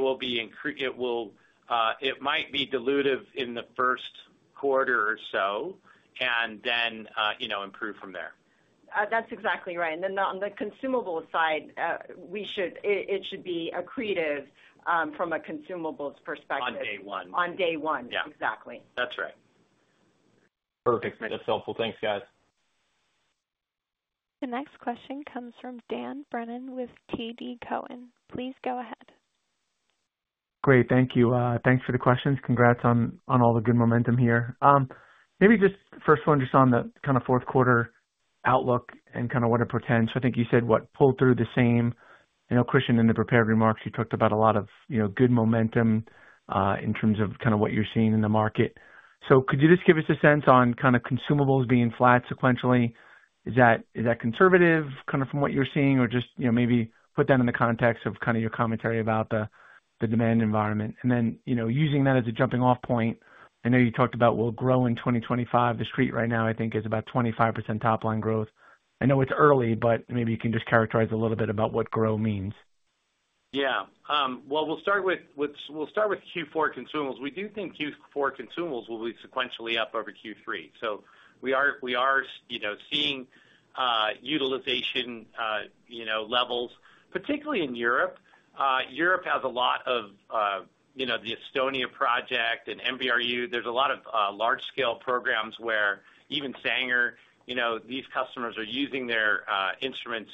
might be dilutive in the first quarter or so and then improve from there. That's exactly right. And then on the consumable side, it should be accretive from a consumables perspective. On day one. On day one. Exactly. That's right. Perfect. That's helpful. Thanks, guys. The next question comes from Dan Brennan with TD Cowen. Please go ahead. Great. Thank you. Thanks for the questions. Congrats on all the good momentum here. Maybe just the first one just on the kind of fourth quarter outlook and kind of what it portends. So I think you said what pulled through the same. Christian, in the prepared remarks, you talked about a lot of good momentum in terms of kind of what you're seeing in the market. So could you just give us a sense on kind of consumables being flat sequentially? Is that conservative kind of from what you're seeing or just maybe put that in the context of kind of your commentary about the demand environment? And then using that as a jumping-off point, I know you talked about well grow in 2025. The Street right now, I think, is about 25% top-line growth. I know it's early, but maybe you can just characterize a little bit about what grow means. Yeah. Well, we'll start with Q4 consumables. We do think Q4 consumables will be sequentially up over Q3. So we are seeing utilization levels, particularly in Europe. Europe has a lot of the Estonia project and MBRU. There's a lot of large-scale programs where even Sanger, these customers are using their instruments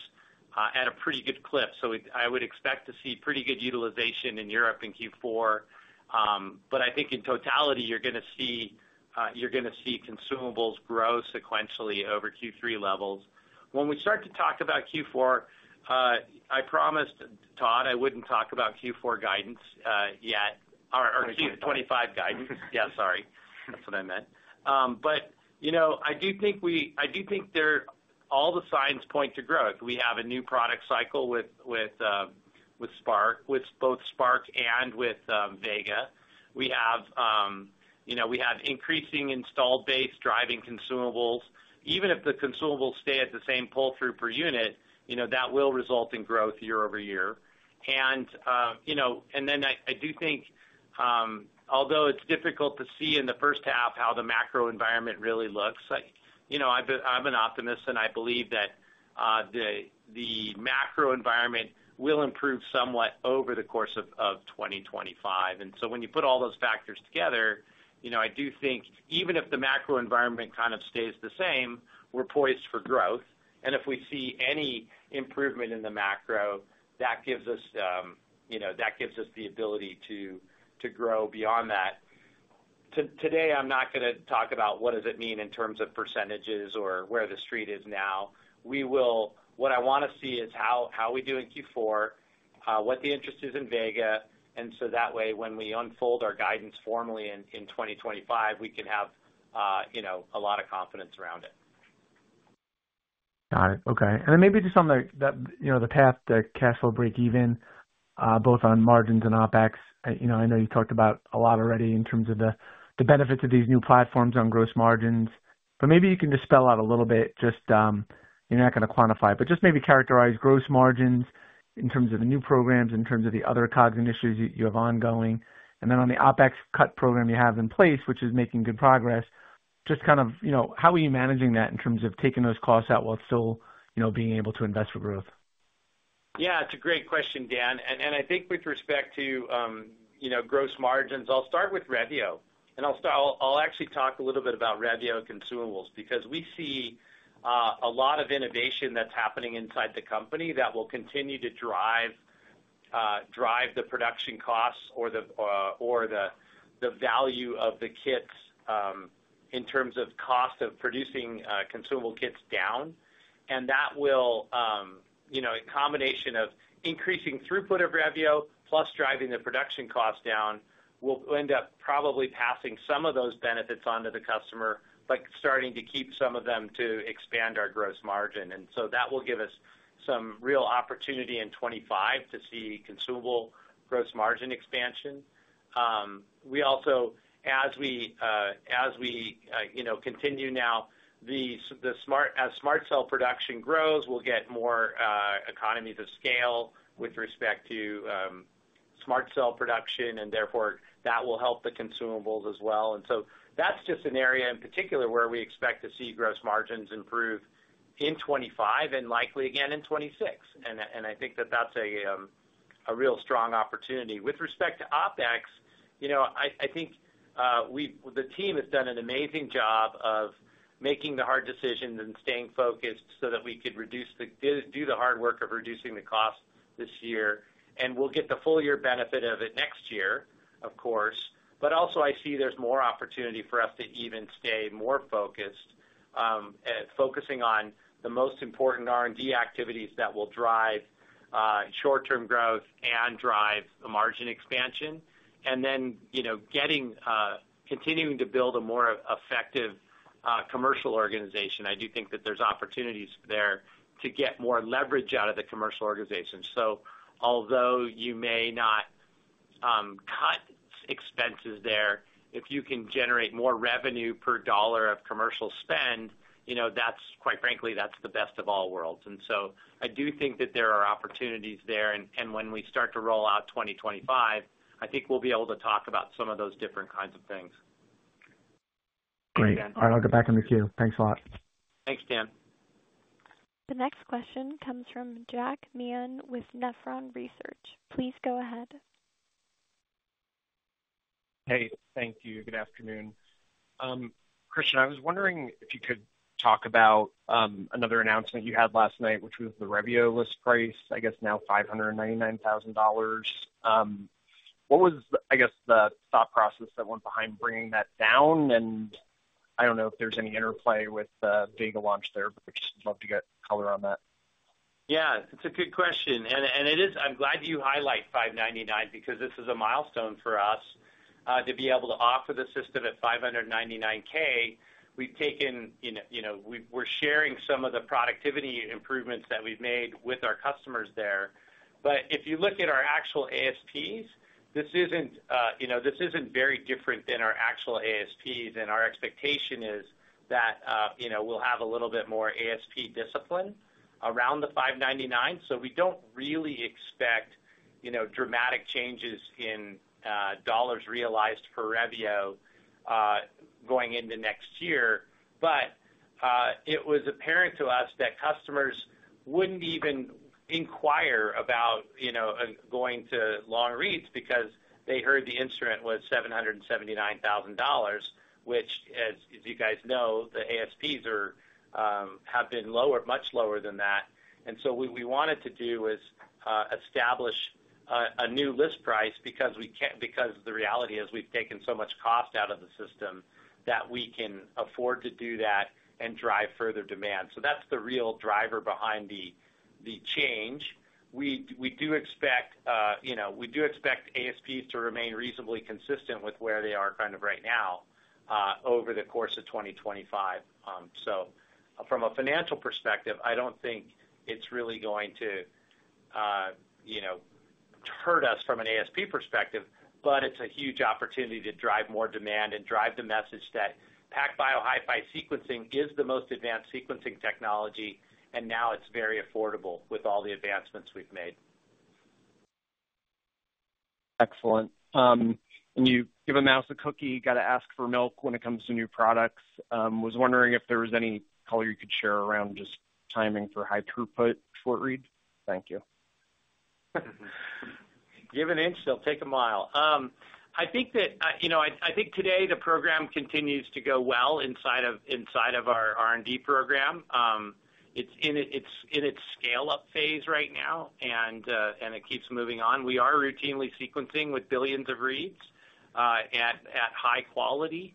at a pretty good clip. So I would expect to see pretty good utilization in Europe in Q4. But I think in totality, you're going to see consumables grow sequentially over Q3 levels. When we start to talk about Q4, I promised, Todd, I wouldn't talk about Q4 guidance yet or Q25 guidance. Yeah, sorry. That's what I meant. But I do think all the signs point to growth. We have a new product cycle with both SPRQ and with Vega. We have increasing installed base driving consumables. Even if the consumables stay at the same pull-through per unit, that will result in growth year-over-year. And then I do think, although it's difficult to see in the first half how the macro environment really looks, I'm an optimist, and I believe that the macro environment will improve somewhat over the course of 2025. And so when you put all those factors together, I do think even if the macro environment kind of stays the same, we're poised for growth. And if we see any improvement in the macro, that gives us the ability to grow beyond that. Today, I'm not going to talk about what does it mean in terms of percentages or where the Street is now. What I want to see is how we do in Q4, what the interest is in Vega. And so that way, when we unfold our guidance formally in 2025, we can have a lot of confidence around it. Got it. Okay. And then maybe just on the path to cash flow break-even, both on margins and OpEx, I know you talked about a lot already in terms of the benefits of these new platforms on gross margins. But maybe you can just spell out a little bit, just you're not going to quantify, but just maybe characterize gross margins in terms of the new programs, in terms of the other COGS and issues you have ongoing. And then on the OpEx cut program you have in place, which is making good progress, just kind of how are you managing that in terms of taking those costs out while still being able to invest for growth? Yeah, it's a great question, Dan. I think with respect to gross margins, I'll start with Revio. I'll actually talk a little bit about Revio consumables because we see a lot of innovation that's happening inside the company that will continue to drive the production costs or the value of the kits in terms of cost of producing consumable kits down. That will, a combination of increasing throughput of Revio plus driving the production cost down, will end up probably passing some of those benefits on to the customer, but starting to keep some of them to expand our gross margin. That will give us some real opportunity in 2025 to see consumable gross margin expansion. We also, as we continue now, as SMRT Cell production grows, we'll get more economies of scale with respect to SMRT Cell production, and therefore that will help the consumables as well. And so that's just an area in particular where we expect to see gross margins improve in 2025 and likely again in 2026. And I think that that's a real strong opportunity. With respect to OpEx, I think the team has done an amazing job of making the hard decisions and staying focused so that we could do the hard work of reducing the cost this year. And we'll get the full year benefit of it next year, of course. But also, I see there's more opportunity for us to even stay more focused, focusing on the most important R&D activities that will drive short-term growth and drive the margin expansion. And then continuing to build a more effective commercial organization. I do think that there's opportunities there to get more leverage out of the commercial organization. So although you may not cut expenses there, if you can generate more revenue per dollar of commercial spend, quite frankly, that's the best of all worlds. And so I do think that there are opportunities there. And when we start to roll out 2025, I think we'll be able to talk about some of those different kinds of things. Great. All right. I'll get back on the queue. Thanks a lot. Thanks, Dan. The next question comes from Jack Meehan with Nephron Research. Please go ahead. Hey, thank you. Good afternoon. Christian, I was wondering if you could talk about another announcement you had last night, which was the Revio list price, I guess now $599,000. What was, I guess, the thought process that went behind bringing that down? I don't know if there's any interplay with the Vega launch there, but I'd just love to get color on that. Yeah, it's a good question. I'm glad you highlight $599 because this is a milestone for us to be able to offer the system at $599,000. We're sharing some of the productivity improvements that we've made with our customers there. But if you look at our actual ASPs, this isn't very different than our actual ASPs. Our expectation is that we'll have a little bit more ASP discipline around the $599. So we don't really expect dramatic changes in dollars realized for Revio going into next year. But it was apparent to us that customers wouldn't even inquire about going to long reads because they heard the instrument was $779,000, which, as you guys know, the ASPs have been much lower than that. So what we wanted to do was establish a new list price because the reality is we've taken so much cost out of the system that we can afford to do that and drive further demand. So that's the real driver behind the change. We do expect ASPs to remain reasonably consistent with where they are kind of right now over the course of 2025. So from a financial perspective, I don't think it's really going to hurt us from an ASP perspective, but it's a huge opportunity to drive more demand and drive the message that PacBio HiFi sequencing is the most advanced sequencing technology, and now it's very affordable with all the advancements we've made. Excellent. You give a mouse a cookie, got to ask for milk when it comes to new products. I was wondering if there was any color you could share around just timing for high throughput short read. Thank you. Give an inch, they'll take a mile. I think that I think today the program continues to go well inside of our R&D program. It's in its scale-up phase right now, and it keeps moving on. We are routinely sequencing with billions of reads at high quality.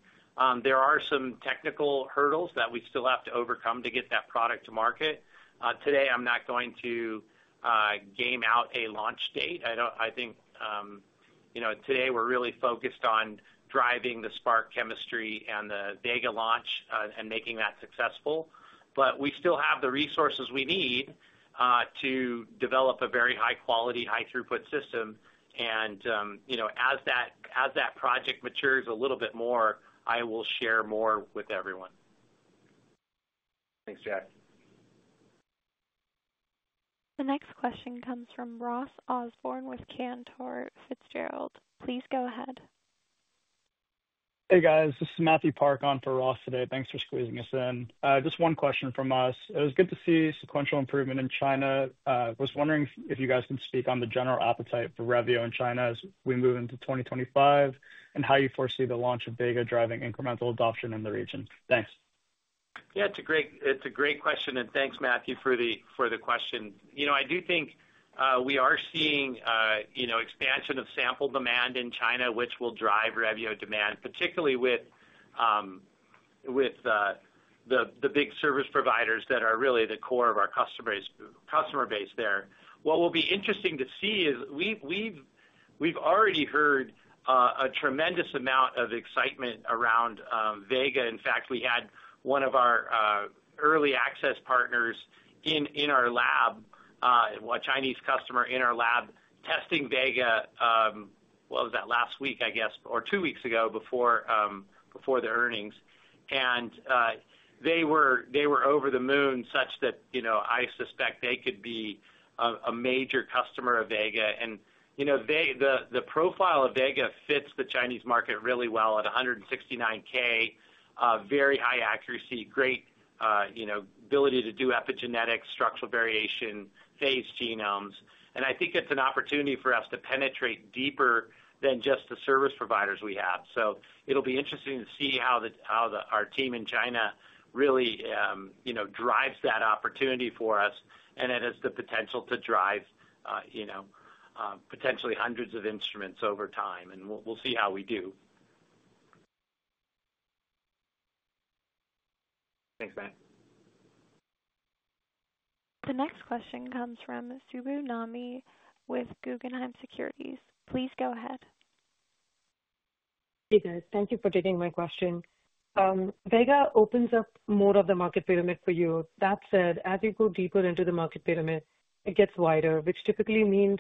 There are some technical hurdles that we still have to overcome to get that product to market. Today, I'm not going to game out a launch date. I think today we're really focused on driving the SPRQ chemistry and the Vega launch and making that successful. But we still have the resources we need to develop a very high-quality, high-throughput system. And as that project matures a little bit more, I will share more with everyone. Thanks, Jack. The next question comes from Ross Osborne with Cantor Fitzgerald. Please go ahead. Hey, guys. This is Matthew Parkin for Ross today. Thanks for squeezing us in. Just one question from us. It was good to see sequential improvement in China. I was wondering if you guys can speak on the general appetite for Revio in China as we move into 2025 and how you foresee the launch of Vega driving incremental adoption in the region. Thanks. Yeah, it's a great question, and thanks, Matthew, for the question. I do think we are seeing expansion of sample demand in China, which will drive Revio demand, particularly with the big service providers that are really the core of our customer base there. What will be interesting to see is we've already heard a tremendous amount of excitement around Vega. In fact, we had one of our early access partners in our lab, a Chinese customer in our lab, testing Vega, what was that, last week, I guess, or two weeks ago before the earnings. And they were over the moon such that I suspect they could be a major customer of Vega. And the profile of Vega fits the Chinese market really well at $169,000, very high accuracy, great ability to do epigenetics, structural variation, phased genomes. And I think it's an opportunity for us to penetrate deeper than just the service providers we have. So it'll be interesting to see how our team in China really drives that opportunity for us, and it has the potential to drive potentially hundreds of instruments over time. And we'll see how we do. Thanks, Matt. The next question comes from Subbu Nambi with Guggenheim Securities. Please go ahead. Hey, guys. Thank you for taking my question. Vega opens up more of the market pyramid for you. That said, as you go deeper into the market pyramid, it gets wider, which typically means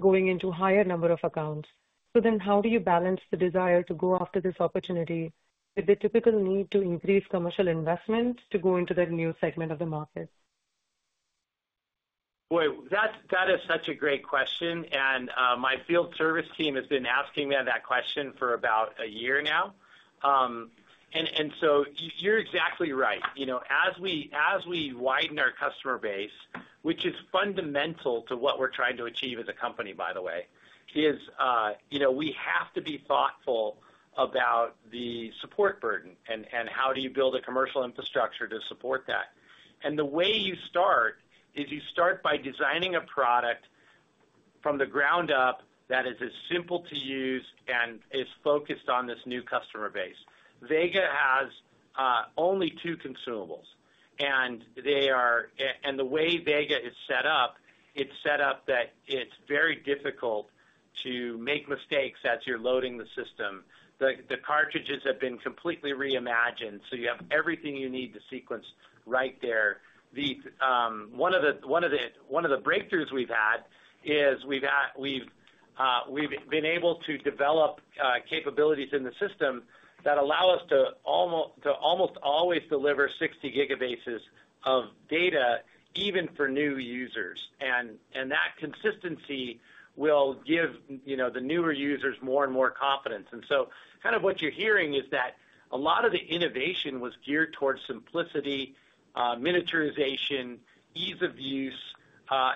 going into a higher number of accounts. So then how do you balance the desire to go after this opportunity with the typical need to increase commercial investment to go into that new segment of the market? Boy, that is such a great question. And my field service team has been asking me that question for about a year now. And so you're exactly right. As we widen our customer base, which is fundamental to what we're trying to achieve as a company, by the way, is we have to be thoughtful about the support burden and how do you build a commercial infrastructure to support that. The way you start is you start by designing a product from the ground up that is as simple to use and is focused on this new customer base. Vega has only two consumables. The way Vega is set up, it's set up that it's very difficult to make mistakes as you're loading the system. The cartridges have been completely reimagined, so you have everything you need to sequence right there. One of the breakthroughs we've had is we've been able to develop capabilities in the system that allow us to almost always deliver 60 gigabases of data, even for new users. That consistency will give the newer users more and more confidence. So kind of what you're hearing is that a lot of the innovation was geared towards simplicity, miniaturization, ease of use.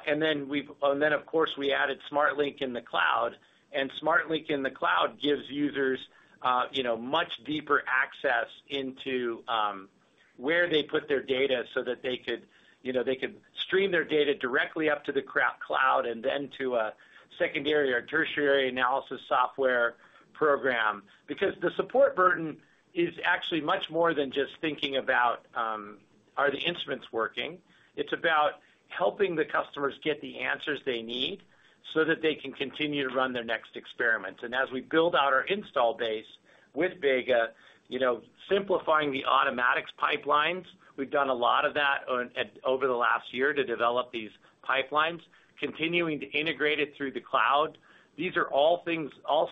Then, of course, we added SMRT Link in the cloud. SMRT Link in the cloud gives users much deeper access into where they put their data so that they could stream their data directly up to the cloud and then to a secondary or tertiary analysis software program. Because the support burden is actually much more than just thinking about, are the instruments working? It's about helping the customers get the answers they need so that they can continue to run their next experiments. And as we build out our install base with Vega, simplifying the automated pipelines, we've done a lot of that over the last year to develop these pipelines, continuing to integrate it through the cloud. These are all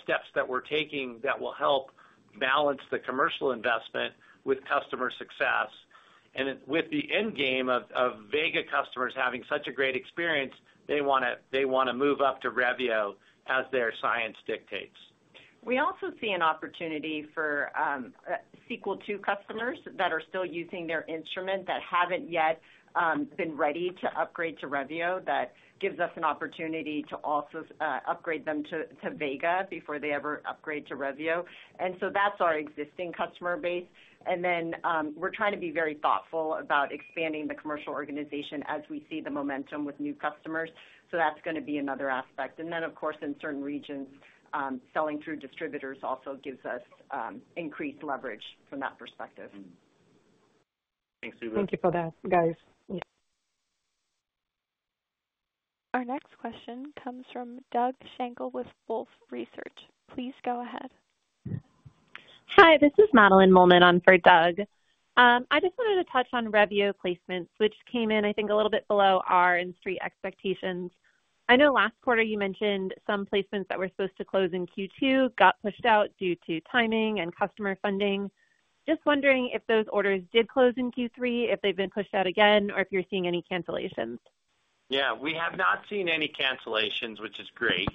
steps that we're taking that will help balance the commercial investment with customer success. And with the end game of Vega customers having such a great experience, they want to move up to Revio as their science dictates. We also see an opportunity for Sequel II customers that are still using their instrument that haven't yet been ready to upgrade to Revio that gives us an opportunity to also upgrade them to Vega before they ever upgrade to Revio. And so that's our existing customer base. And then we're trying to be very thoughtful about expanding the commercial organization as we see the momentum with new customers. So that's going to be another aspect. And then, of course, in certain regions, selling through distributors also gives us increased leverage from that perspective. Thanks, Subbu. Thank you for that, guys. Our next question comes from Doug Schenkel with Wolfe Research. Please go ahead. Hi, this is Madeline Mollman for Doug. I just wanted to touch on Revio placements, which came in, I think, a little bit below our industry expectations. I know last quarter you mentioned some placements that were supposed to close in Q2 got pushed out due to timing and customer funding. Just wondering if those orders did close in Q3, if they've been pushed out again, or if you're seeing any cancellations. Yeah, we have not seen any cancellations, which is great.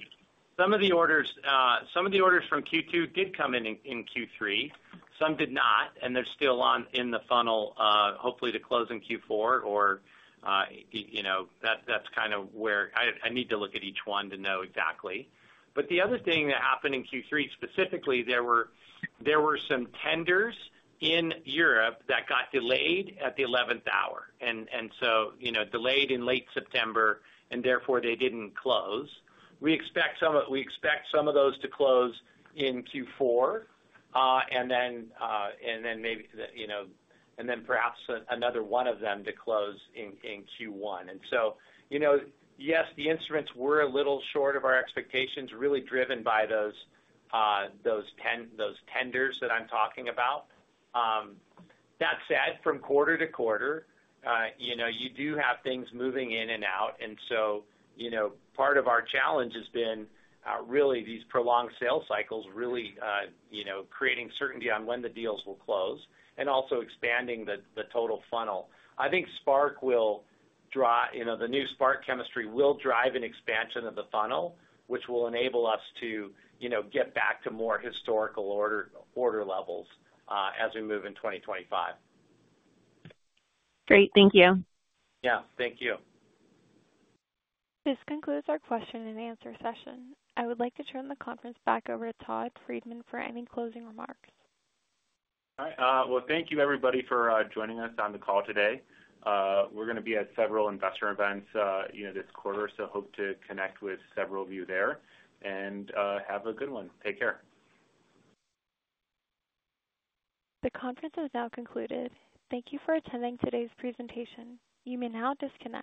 Some of the orders from Q2 did come in Q3. Some did not, and they're still in the funnel, hopefully to close in Q4, or that's kind of where I need to look at each one to know exactly. But the other thing that happened in Q3 specifically, there were some tenders in Europe that got delayed at the 11th hour, and so delayed in late September, and therefore they didn't close. We expect some of those to close in Q4, and then maybe and then perhaps another one of them to close in Q1. And so, yes, the instruments were a little short of our expectations, really driven by those tenders that I'm talking about. That said, from quarter to quarter, you do have things moving in and out. Part of our challenge has been really these prolonged sales cycles, really creating certainty on when the deals will close and also expanding the total funnel. I think the new SPRQ chemistry will drive an expansion of the funnel, which will enable us to get back to more historical order levels as we move into 2025. Great. Thank you. Yeah, thank you. This concludes our question and answer session. I would like to turn the conference back over to Todd Friedman for any closing remarks. All right. Thank you, everybody, for joining us on the call today. We're going to be at several investor events this quarter, so hope to connect with several of you there. And have a good one. Take care. The conference is now concluded. Thank you for attending today's presentation. You may now disconnect.